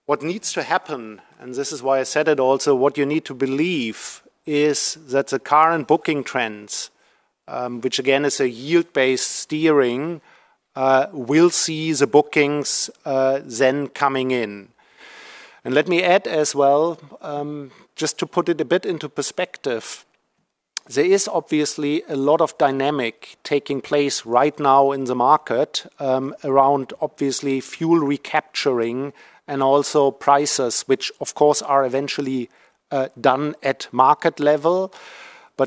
Speaker 4: What needs to happen, and this is why I said it also, what you need to believe is that the current booking trends, which again is a yield-based steering, will see the bookings then coming in. Let me add as well, just to put it a bit into perspective, there is obviously a lot of dynamic taking place right now in the market, around obviously fuel recapturing and also prices, which of course are eventually done at market level.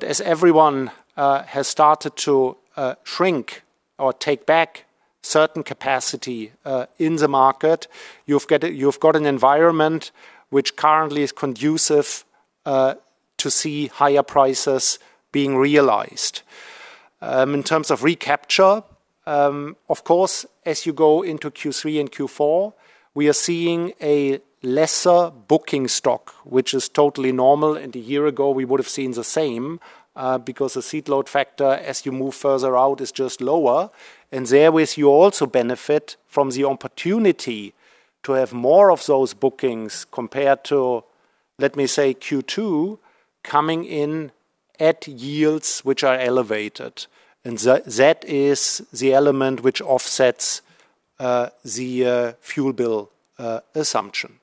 Speaker 4: As everyone has started to shrink or take back certain capacity in the market, you've got an environment which currently is conducive to see higher prices being realized. In terms of recapture, of course, as you go into Q3 and Q4, we are seeing a lesser booking stock, which is totally normal, and a year ago we would have seen the same, because the seat load factor as you move further out is just lower. There with you also benefit from the opportunity to have more of those bookings compared to, let me say, Q2 coming in at yields which are elevated. That is the element which offsets the fuel bill assumption.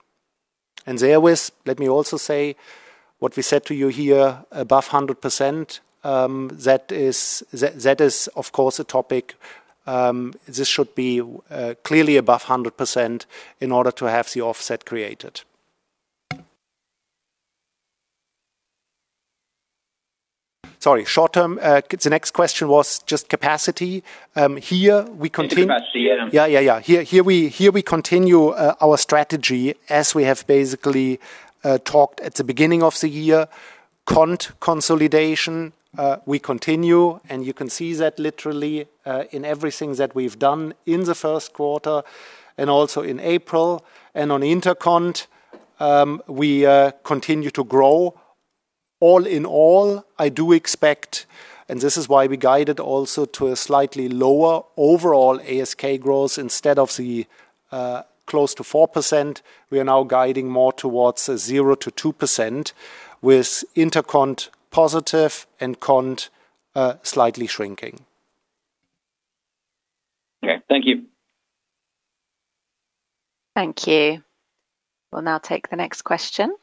Speaker 4: There with, let me also say what we said to you here, above 100%, that is, that is of course a topic, this should be clearly above 100% in order to have the offset created. Sorry. Short term, the next question was just capacity. Here we contin-
Speaker 7: Into capacity, yeah, mm-hmm.
Speaker 4: Here we continue our strategy as we have basically talked at the beginning of the year. Consolidation, we continue, and you can see that literally in everything that we've done in the first quarter and also in April. On intercont, we continue to grow. All in all, I do expect, and this is why we guided also to a slightly lower overall ASK growth. Instead of the close to 4%, we are now guiding more towards 0%-2% with intercont positive and cont slightly shrinking.
Speaker 7: Okay. Thank you.
Speaker 1: Thank you. We will now take the next question.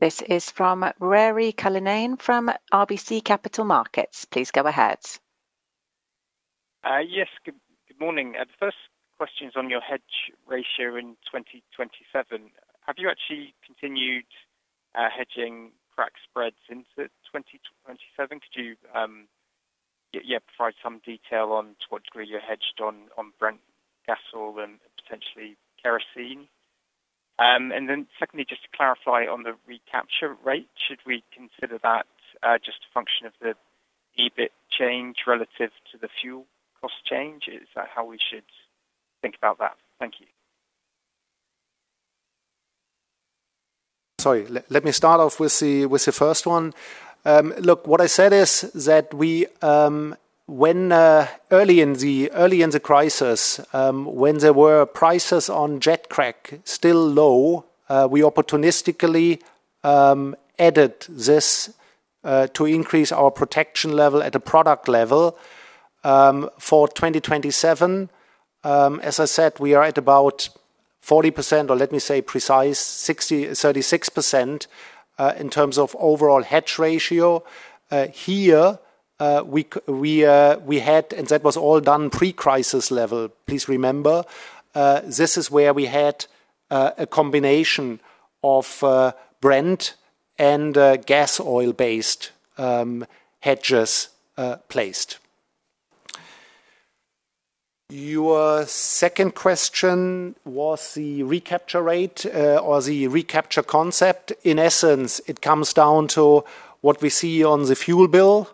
Speaker 1: This is from Ruairi Cullinane from RBC Capital Markets. Please go ahead.
Speaker 8: Yes. Good, good morning. The first question is on your hedge ratio in 2027. Have you actually continued hedging crack spreads into 2027? Could you provide some detail on to what degree you're hedged on Brent gasoline and potentially kerosene? Secondly, just to clarify on the recapture rate, should we consider that just a function of the EBIT change relative to the fuel cost change? Is that how we should think about that? Thank you.
Speaker 4: Sorry, let me start off with the first one. Look, what I said is that we, when early in the crisis, when there were prices on jet crack still low, we opportunistically added this to increase our protection level at a product level for 2027. As I said, we are at about 40%, or let me say precise, 60%, 36%, in terms of overall hedge ratio. Here, we had, and that was all done pre-crisis level, please remember. This is where we had a combination of Brent and gas oil-based hedges placed. Your second question was the recapture rate or the recapture concept. In essence, it comes down to what we see on the fuel bill.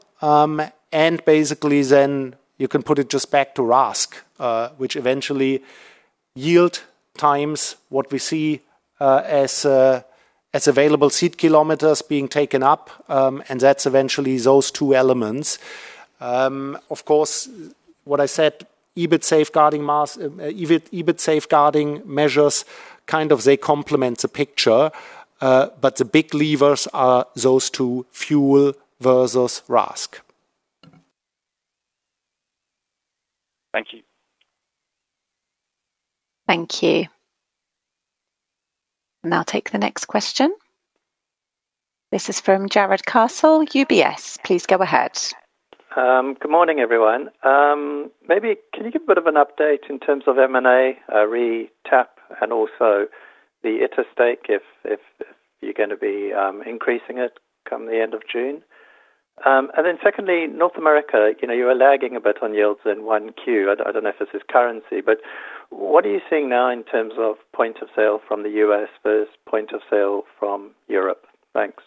Speaker 4: Basically then you can put it just back to RASK, which eventually yield times what we see as available seat kilometers being taken up. That's eventually those two elements. Of course, what I said, EBIT safeguarding measures, kind of they complement the picture, but the big levers are those two, fuel versus RASK.
Speaker 8: Thank you.
Speaker 1: Thank you. I'll take the next question. This is from Jarrod Castle, UBS. Please go ahead.
Speaker 9: Good morning, everyone. Maybe can you give a bit of an update in terms of M&A, re TAP and also the ITA stake if, if you're gonna be, increasing it come the end of June? Secondly, North America, you know, you were lagging a bit on yields in 1Q. I don't know if this is currency, but what are you seeing now in terms of point of sale from the U.S. versus point of sale from Europe? Thanks.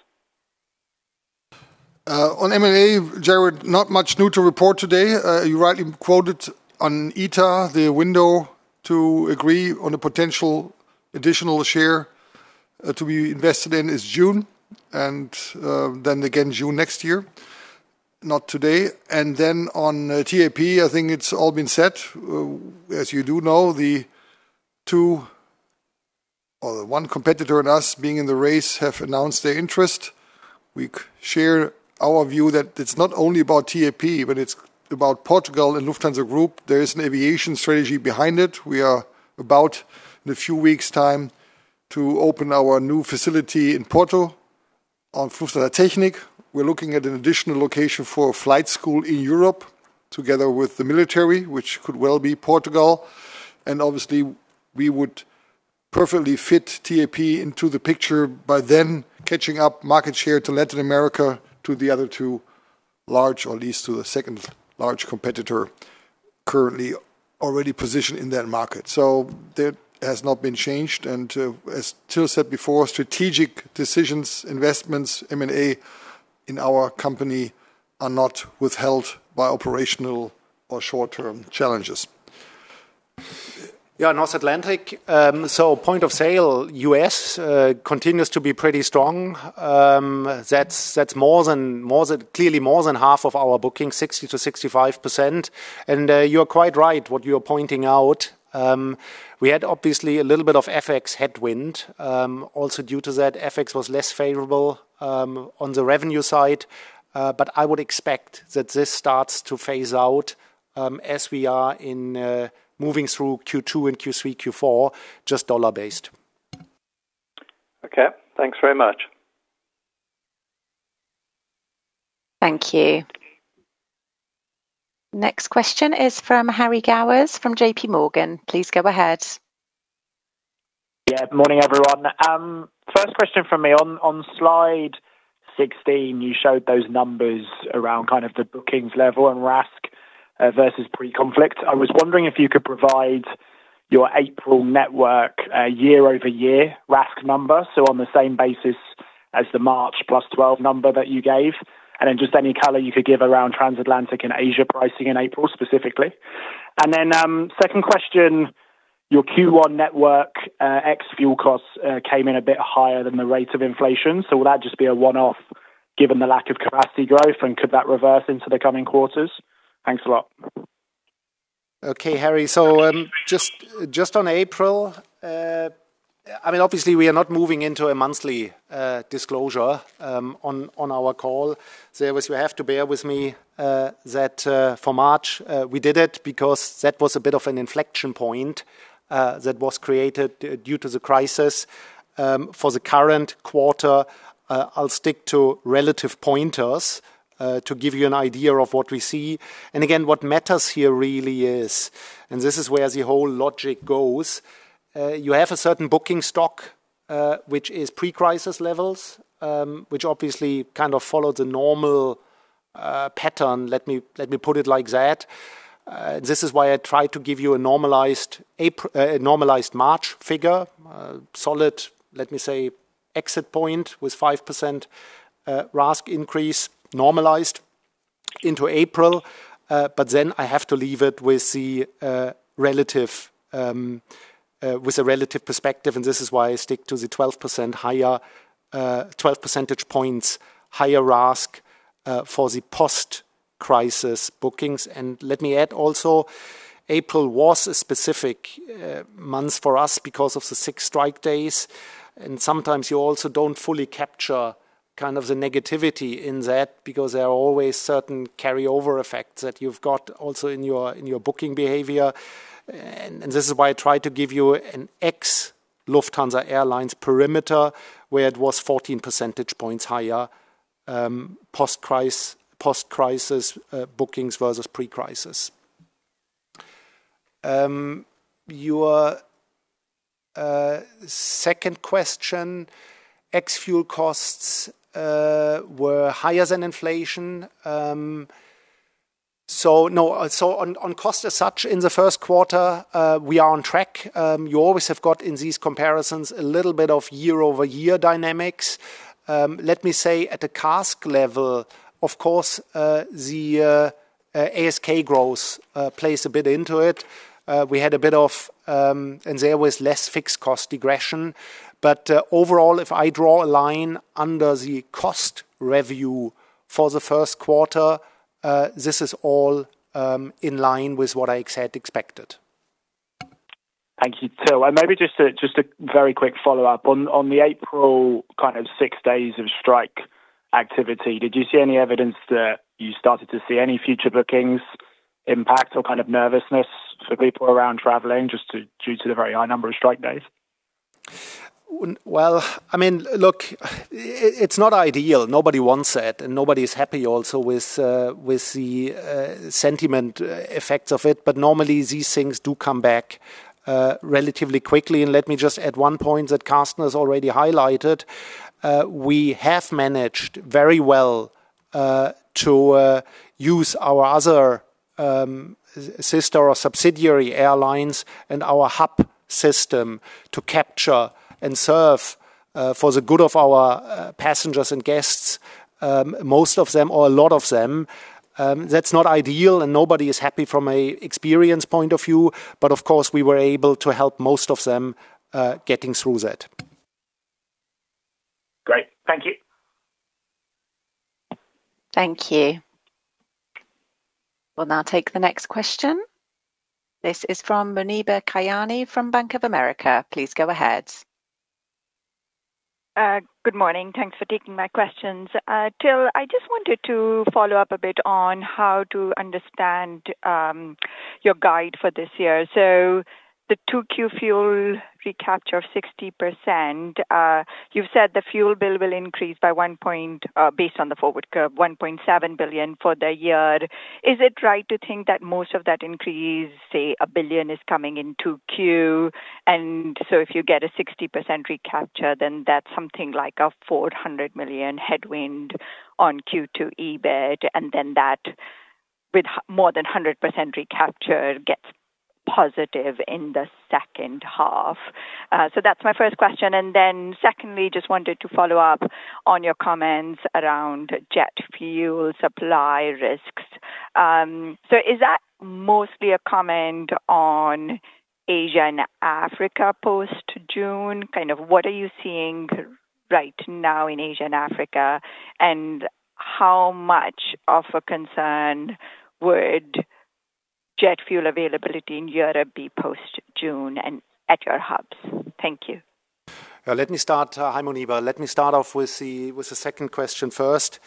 Speaker 3: On M&A, Jarrod, not much new to report today. You rightly quoted on ITA the window to agree on a potential additional share to be invested in is June and then again June next year, not today. Then on TAP, I think it's all been said. As you do know, the two, or the one competitor and us being in the race have announced their interest. We share our view that it's not only about TAP, but it's about Portugal and Lufthansa Group. There is an aviation strategy behind it. We are about, in a few weeks' time, to open our new facility in Porto on Lufthansa Technik. We're looking at an additional location for a flight school in Europe together with the military, which could well be Portugal. Obviously, we would perfectly fit TAP into the picture by then catching up market share to Latin America to the other two large, or at least to the second large competitor currently already positioned in that market. That has not been changed. As Till said before, strategic decisions, investments, M&A in our company are not withheld by operational or short-term challenges.
Speaker 4: North Atlantic, point of sale, U.S., continues to be pretty strong. That's more than, clearly more than half of our booking, 60%-65%. You're quite right what you're pointing out. We had obviously a little bit of FX headwind. Also due to that, FX was less favorable on the revenue side. I would expect that this starts to phase out as we are moving through Q2 and Q3, Q4, just dollar-based.
Speaker 9: Okay. Thanks very much.
Speaker 1: Thank you. Next question is from Harry Gowers from JPMorgan. Please go ahead.
Speaker 10: Yeah. Morning, everyone. First question from me. On slide 16, you showed those numbers around, kind of, the bookings level and RASK versus pre-conflict. I was wondering if you could provide your April network year-over-year RASK number, so on the same basis as the March +12% number that you gave. Just any color you could give around transatlantic and Asia pricing in April specifically. Second question, your Q1 network ex-fuel costs came in a bit higher than the rate of inflation. Will that just be a one-off given the lack of capacity growth, and could that reverse into the coming quarters? Thanks a lot.
Speaker 4: Okay, Harry. Just on April, I mean, obviously we are not moving into a monthly disclosure on our call. You must, you have to bear with me, that for March, we did it because that was a bit of an inflection point that was created due to the crisis. For the current quarter, I'll stick to relative pointers to give you an idea of what we see. Again, what matters here really is, and this is where the whole logic goes, you have a certain booking stock, which is pre-crisis levels, which obviously kind of follow the normal pattern, let me put it like that. This is why I try to give you a normalized March figure, solid, let me say exit point with 5% RASK increase normalized into April. I have to leave it with the relative perspective, and this is why I stick to the 12% higher, 12 percentage points higher RASK for the post-crisis bookings. Let me add also, April was a specific month for us because of the 6 strike days, and sometimes you also don't fully capture kind of the negativity in that because there are always certain carry-over effects that you've got also in your booking behavior. This is why I tried to give you an ex-Lufthansa Airlines perimeter where it was 14 percentage points higher, post-crisis bookings versus pre-crisis. Your second question, ex-fuel costs were higher than inflation. No, on cost as such in the first quarter, we are on track. You always have got in these comparisons a little bit of year-over-year dynamics. Let me say at the CASK level, of course, the ASK growth plays a bit into it. We had a bit of, and there was less fixed cost regression. Overall, if I draw a line under the cost review for the first quarter, this is all in line with what I had expected.
Speaker 10: Thank you, Till. Maybe just a very quick follow-up. On the April kind of six days of strike activity, did you see any evidence that you started to see any future bookings impact or kind of nervousness for people around traveling just to, due to the very high number of strike days?
Speaker 4: Well, I mean, look, it's not ideal. Nobody wants it, and nobody's happy also with the sentiment effects of it. Normally, these things do come back relatively quickly. Let me just add one point that Carsten has already highlighted. We have managed very well to use our other sister or subsidiary airlines and our hub system to capture and serve for the good of our passengers and guests, most of them or a lot of them. That's not ideal, and nobody is happy from an experience point of view, but of course, we were able to help most of them getting through that.
Speaker 10: Great. Thank you.
Speaker 1: Thank you. We will now take the next question. This is from Muneeba Kayani from Bank of America. Please go ahead.
Speaker 11: Good morning. Thanks for taking my questions. Till, I just wanted to follow up a bit on how to understand your guide for this year. The 2Q fuel recapture of 60%, you've said the fuel bill will increase based on the forward curve, 1.7 billion for the year. Is it right to think that most of that increase, say, 1 billion is coming in 2Q? If you get a 60% recapture, then that's something like a 400 million headwind on Q2 EBIT, then that with more than 100% recapture gets positive in the second half. That's my first question. Secondly, just wanted to follow up on your comments around jet fuel supply risks. Is that mostly a comment on Asia and Africa post-June? Kind of what are you seeing right now in Asia and Africa, and how much of a concern would jet fuel availability in Europe be post-June and at your hubs? Thank you.
Speaker 4: Let me start, hi Muneeba. Let me start off with the second question first.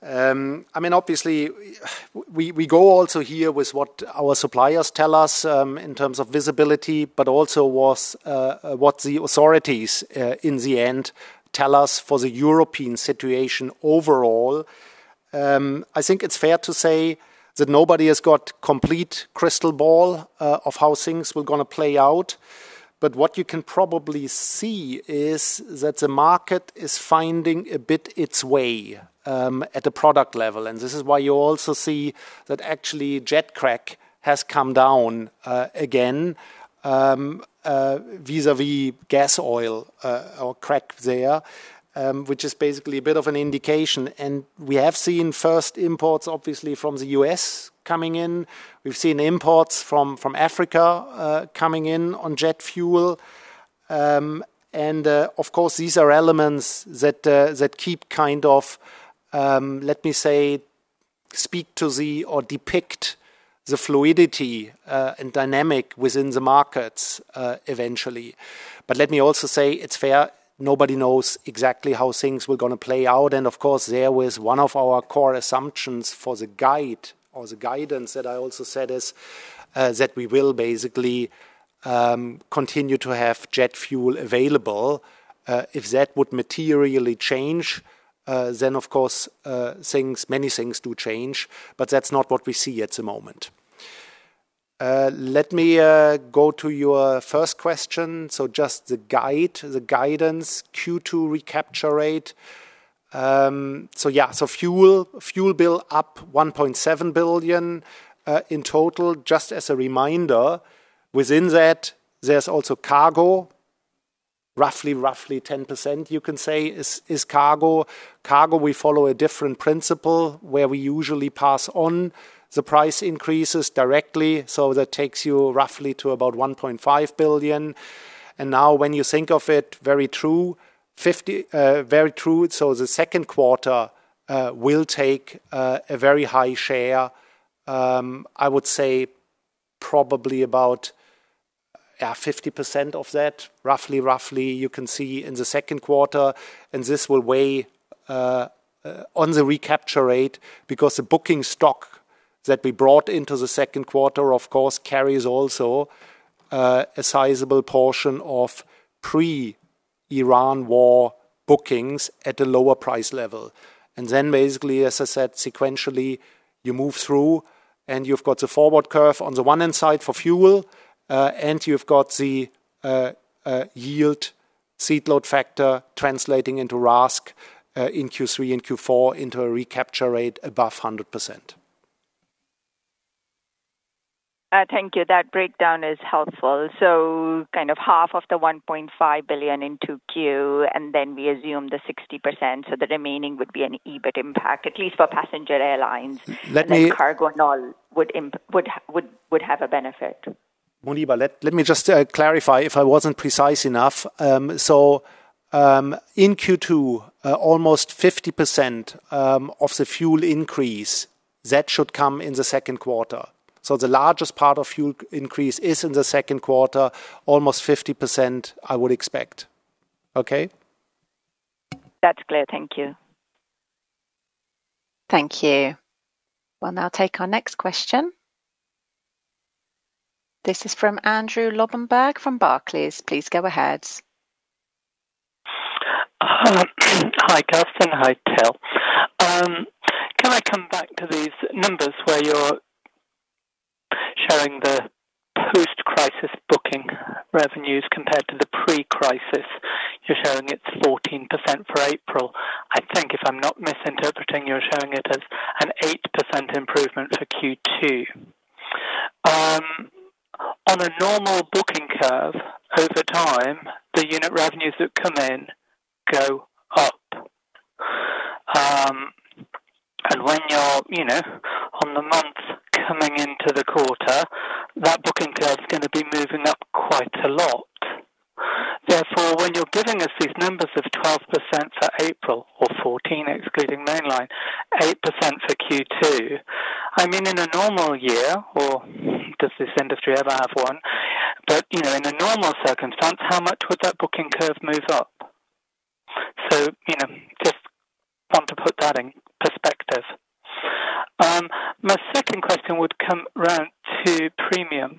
Speaker 4: I mean, obviously, we go also here with what our suppliers tell us, in terms of visibility, but also what the authorities in the end tell us for the European situation overall. I think it's fair to say that nobody has got complete crystal ball of how things were gonna play out. What you can probably see is that the market is finding a bit its way at the product level. This is why you also see that actually jet crack has come down again, vis-à-vis gas oil, or crack there, which is basically a bit of an indication. We have seen first imports, obviously, from the U.S. coming in. We've seen imports from Africa, coming in on jet fuel. Of course, these are elements that keep kind of, let me say, speak to the or depict the fluidity and dynamic within the markets, eventually. Let me also say it's fair, nobody knows exactly how things were gonna play out. Of course, there was one of our core assumptions for the guide or the guidance that I also said is that we will basically, continue to have jet fuel available. If that would materially change, then of course, things, many things do change, but that's not what we see at the moment. Let me go to your first question. Just the guide, the guidance Q2 recapture rate. Yeah, fuel bill up 1.7 billion in total. Just as a reminder, within that, there's also cargo. Roughly 10%, you can say is cargo. Cargo, we follow a different principle where we usually pass on the price increases directly, so that takes you roughly to about 1.5 billion. Now when you think of it, very true, 50, very true. The second quarter will take a very high share. I would say probably about, yeah, 50% of that, roughly you can see in the second quarter. This will weigh on the recapture rate because the booking stock that we brought into the second quarter, of course, carries also a sizable portion of pre-Iran War bookings at a lower price level. Basically, as I said, sequentially, you move through and you've got the forward curve on the one hand side for fuel, and you've got the yield seat load factor translating into RASK in Q3 and Q4 into a recapture rate above 100%.
Speaker 11: Thank you. That breakdown is helpful. Kind of half of the 1.5 billion in 2Q, and then we assume the 60%, so the remaining would be an EBIT impact, at least for passenger airlines.
Speaker 4: Let me-
Speaker 11: Cargo now would have a benefit.
Speaker 4: Muneeba, let me just clarify if I wasn't precise enough. In Q2, almost 50% of the fuel increase, that should come in the second quarter. The largest part of fuel increase is in the second quarter, almost 50%, I would expect. Okay?
Speaker 11: That's clear. Thank you.
Speaker 1: Thank you. We will now take our next question. This is from Andrew Lobbenberg from Barclays. Please go ahead.
Speaker 12: Hi, Carsten. Hi, Till. Can I come back to these numbers where you're showing the post-crisis booking revenues compared to the pre-crisis? You're showing it's 14% for April. I think if I'm not misinterpreting, you're showing it as an 8% improvement for Q2. On a normal booking curve over time, the unit revenues that come in go up. When you're, you know, on the month coming into the quarter, that booking curve is gonna be moving up quite a lot. Therefore, when you're giving us these numbers of 12% for April or 14, excluding mainline, 8% for Q2, I mean, in a normal year, or does this industry ever have one? You know, in a normal circumstance, how much would that booking curve move up? You know, just want to put that in perspective. My second question would come round to premium.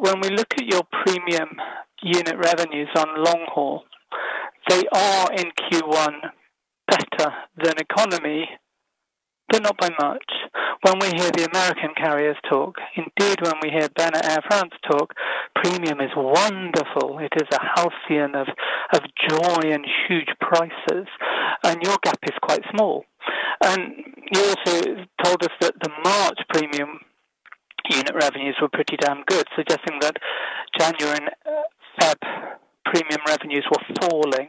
Speaker 12: When we look at your premium unit revenues on long haul, they are in Q1 better than economy, but not by much. When we hear the American carriers talk, indeed, when we hear Ben at Air France talk, premium is wonderful. It is a halcyon of joy and huge prices, and your gap is quite small. You also told us that the March premium unit revenues were pretty damn good, suggesting that January and February premium revenues were falling.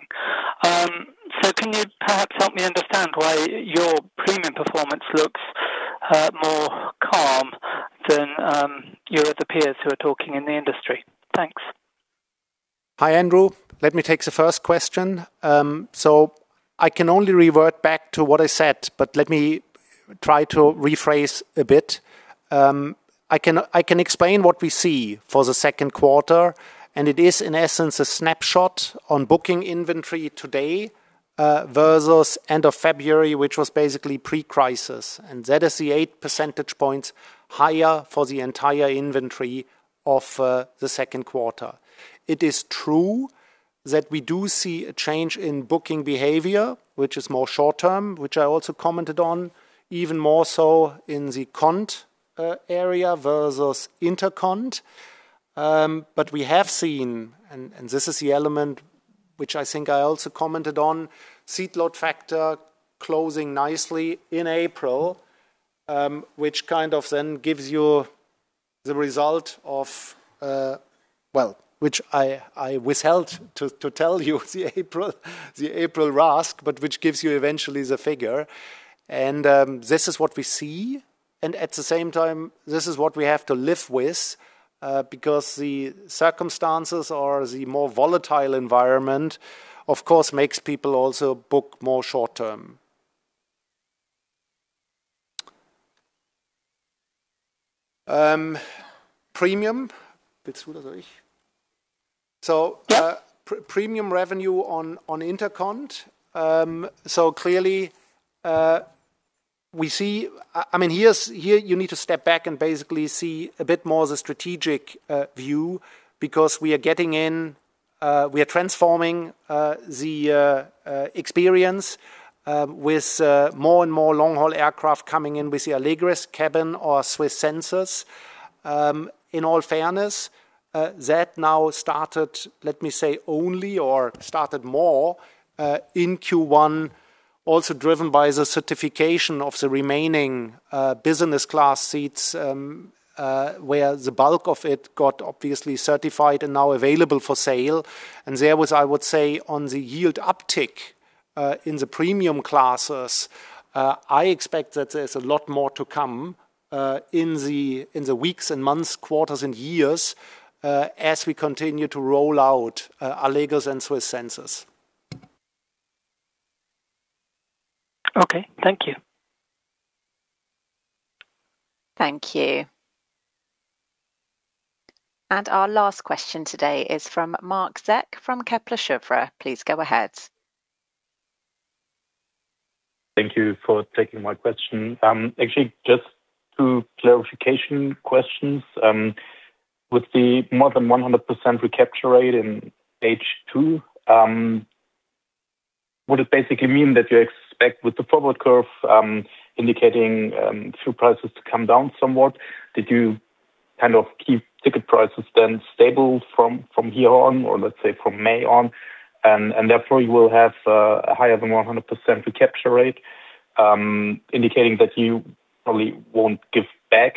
Speaker 12: Can you perhaps help me understand why your premium performance looks more calm than your other peers who are talking in the industry? Thanks.
Speaker 4: Hi, Andrew. Let me take the first question. I can only revert back to what I said, but let me try to rephrase a bit. I can explain what we see for the second quarter. It is in essence a snapshot on booking inventory today, versus end of February, which was basically pre-crisis. That is the eight percentage points higher for the entire inventory of the second quarter. It is true that we do see a change in booking behavior, which is more short-term, which I also commented on even more so in the cont area versus intercont. We have seen, and this is the element which I think I also commented on, seat load factor closing nicely in April, which kind of then gives you the result of, which I withheld to tell you the April, the April RASK, but which gives you eventually the figure. This is what we see, and at the same time, this is what we have to live with, because the circumstances or the more volatile environment, of course, makes people also book more short-term. Premium. Premium revenue on intercont. Clearly, I mean, here you need to step back and basically see a bit more the strategic view because we are getting in, we are transforming the experience with more and more long-haul aircraft coming in with the Allegris cabin or SWISS Senses. In all fairness, that now started, let me say, only or started more in Q1. Also driven by the certification of the remaining business class seats, where the bulk of it got obviously certified and now available for sale. There was, I would say, on the yield uptick in the premium classes, I expect that there's a lot more to come in the weeks and months, quarters and years, as we continue to roll out Allegris and SWISS Senses.
Speaker 12: Okay. Thank you.
Speaker 1: Thank you. Our last question today is from Marc Zeck from Kepler Cheuvreux. Please go ahead.
Speaker 13: Thank you for taking my question. Actually, just two clarification questions. With the more than 100% recapture rate in H2, would it basically mean that you expect with the forward curve, indicating, fuel prices to come down somewhat? Did you kind of keep ticket prices then stable from here on, or let's say from May on, therefore you will have higher than 100% recapture rate, indicating that you probably won't give back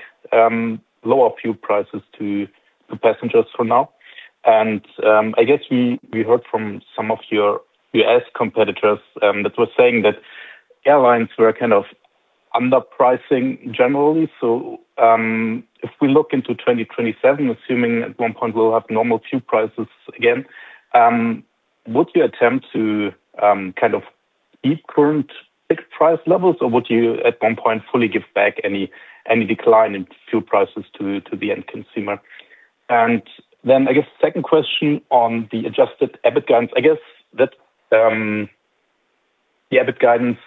Speaker 13: lower fuel prices to the passengers for now? I guess we heard from some of your U.S. competitors, that were saying that airlines were kind of underpricing generally. If we look into 2027, assuming at one point we'll have normal fuel prices again, would you attempt to keep current ticket price levels? Or would you, at one point, fully give back any decline in fuel prices to the end consumer? I guess second question on the adjusted EBIT guidance. I guess that the EBIT guidance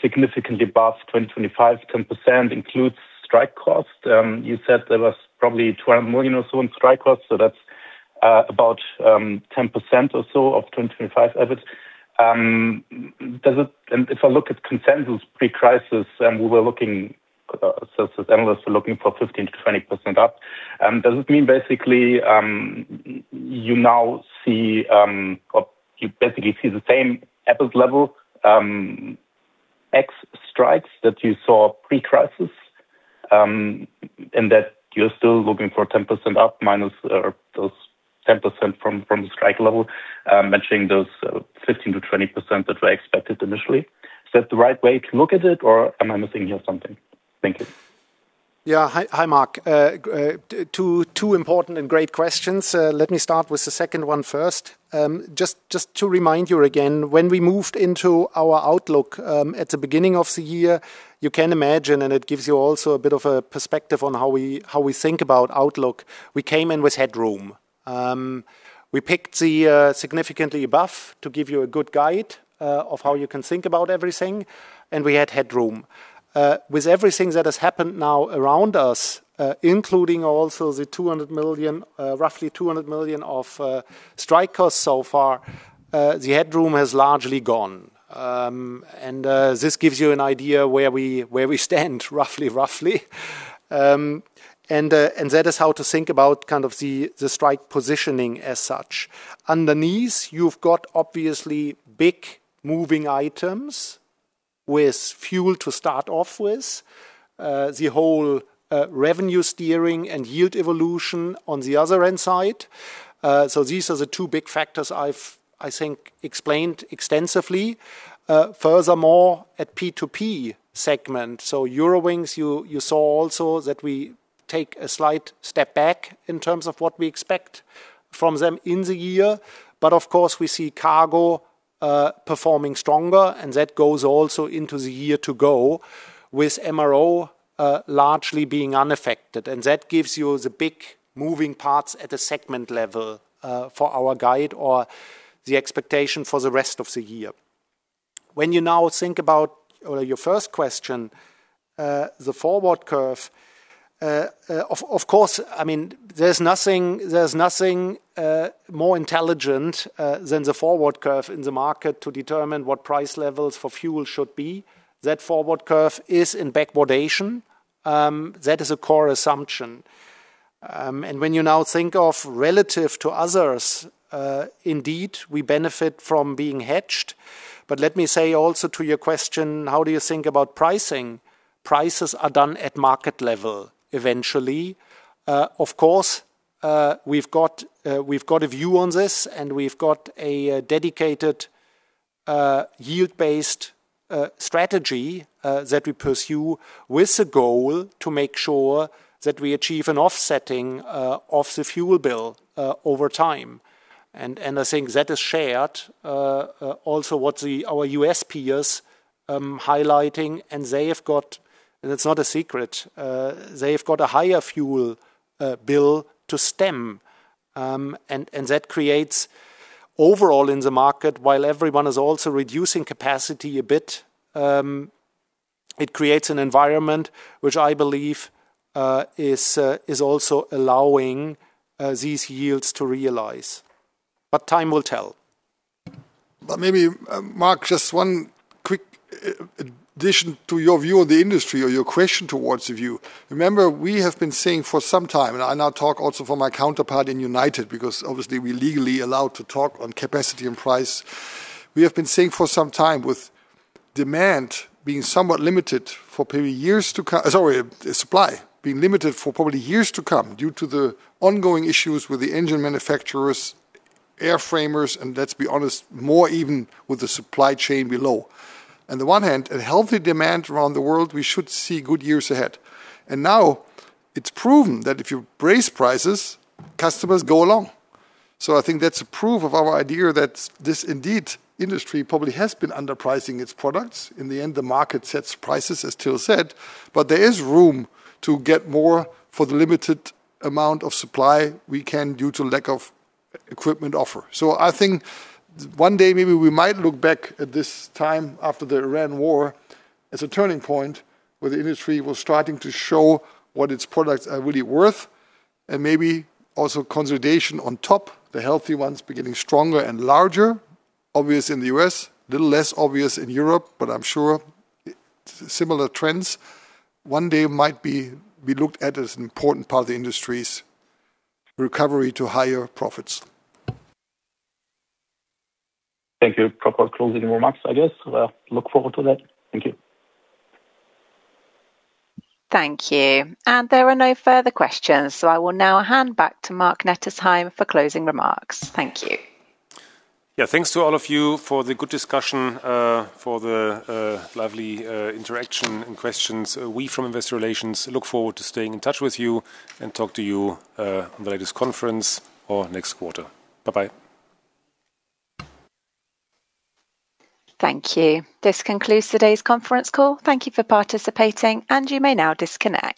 Speaker 13: significantly above 2025, 10% includes strike cost. You said there was probably 200 million or so in strike cost, so that's about 10% or so of 2025 EBIT. If I look at consensus pre-crisis, we were looking, so analysts were looking for 15% to 20% up. Does it mean basically, you now see, or you basically see the same EBIT level, ex strikes that you saw pre-crisis, and that you're still looking for 10% up minus those 10% from the strike level, matching those 15% to 20% that were expected initially? Is that the right way to look at it, or am I missing here something? Thank you.
Speaker 4: Yeah. Hi. Hi, Marc. Two important and great questions. Let me start with the second one first. Just to remind you again, when we moved into our outlook at the beginning of the year, you can imagine, and it gives you also a bit of a perspective on how we think about outlook, we came in with headroom. We picked the significantly above to give you a good guide of how you can think about everything, and we had headroom. With everything that has happened now around us, including also the 200 million, roughly 200 million of strike costs so far, the headroom has largely gone. This gives you an idea where we stand roughly. That is how to think about kind of the strike positioning as such. Underneath, you've got obviously big moving items with fuel to start off with, the whole revenue steering and yield evolution on the other end side. These are the two big factors I think explained extensively. Furthermore, at P2P segment. Eurowings, you saw also that we take a slight step back in terms of what we expect from them in the year. Of course, we see cargo performing stronger, and that goes also into the year to go, with MRO largely being unaffected. That gives you the big moving parts at the segment level for our guide or the expectation for the rest of the year. When you now think about or your first question, the forward curve, of course, I mean, there's nothing, there's nothing more intelligent than the forward curve in the market to determine what price levels for fuel should be. That forward curve is in backwardation. That is a core assumption. When you now think of relative to others, indeed, we benefit from being hedged. Let me say also to your question, how do you think about pricing? Prices are done at market level eventually. Of course, we've got, we've got a view on this, and we've got a dedicated, yield-based strategy that we pursue with the goal to make sure that we achieve an offsetting of the fuel bill over time. I think that is shared, also what the, our U.S. peers, highlighting. It's not a secret. They've got a higher fuel bill to stem. That creates overall in the market, while everyone is also reducing capacity a bit, it creates an environment which I believe is also allowing these yields to realize. Time will tell.
Speaker 3: Maybe, Marc, just one quick addition to your view of the industry or your question towards the view, remember, we have been saying for some time, and I now talk also for my counterpart in United, because obviously we legally allowed to talk on capacity and price. We have been saying for some time with demand being somewhat limited for probably years to come. Sorry, supply being limited for probably years to come due to the ongoing issues with the engine manufacturers, airframers, and let's be honest, more even with the supply chain below. On the one hand, a healthy demand around the world, we should see good years ahead. Now it's proven that if you raise prices, customers go along. I think that's a proof of our idea that this indeed industry probably has been underpricing its products. In the end, the market sets prices, as Till said, but there is room to get more for the limited amount of supply we can due to lack of equipment offer. I think one day maybe we might look back at this time after the Iran war as a turning point where the industry was starting to show what its products are really worth, and maybe also consolidation on top, the healthy ones be getting stronger and larger. Obvious in the U.S., little less obvious in Europe, but I'm sure similar trends one day might be looked at as an important part of the industry's recovery to higher profits.
Speaker 13: Thank you. Proper closing remarks, I guess. Well, look forward to that. Thank you.
Speaker 1: Thank you. There are no further questions. I will now hand back to Marc-Dominic Nettesheim for closing remarks. Thank you.
Speaker 2: Thanks to all of you for the good discussion, for the lovely interaction and questions. We from Investor Relations look forward to staying in touch with you and talk to you on the latest conference or next quarter. Bye-bye.
Speaker 1: Thank you. This concludes today's conference call. Thank you for participating, and you may now disconnect.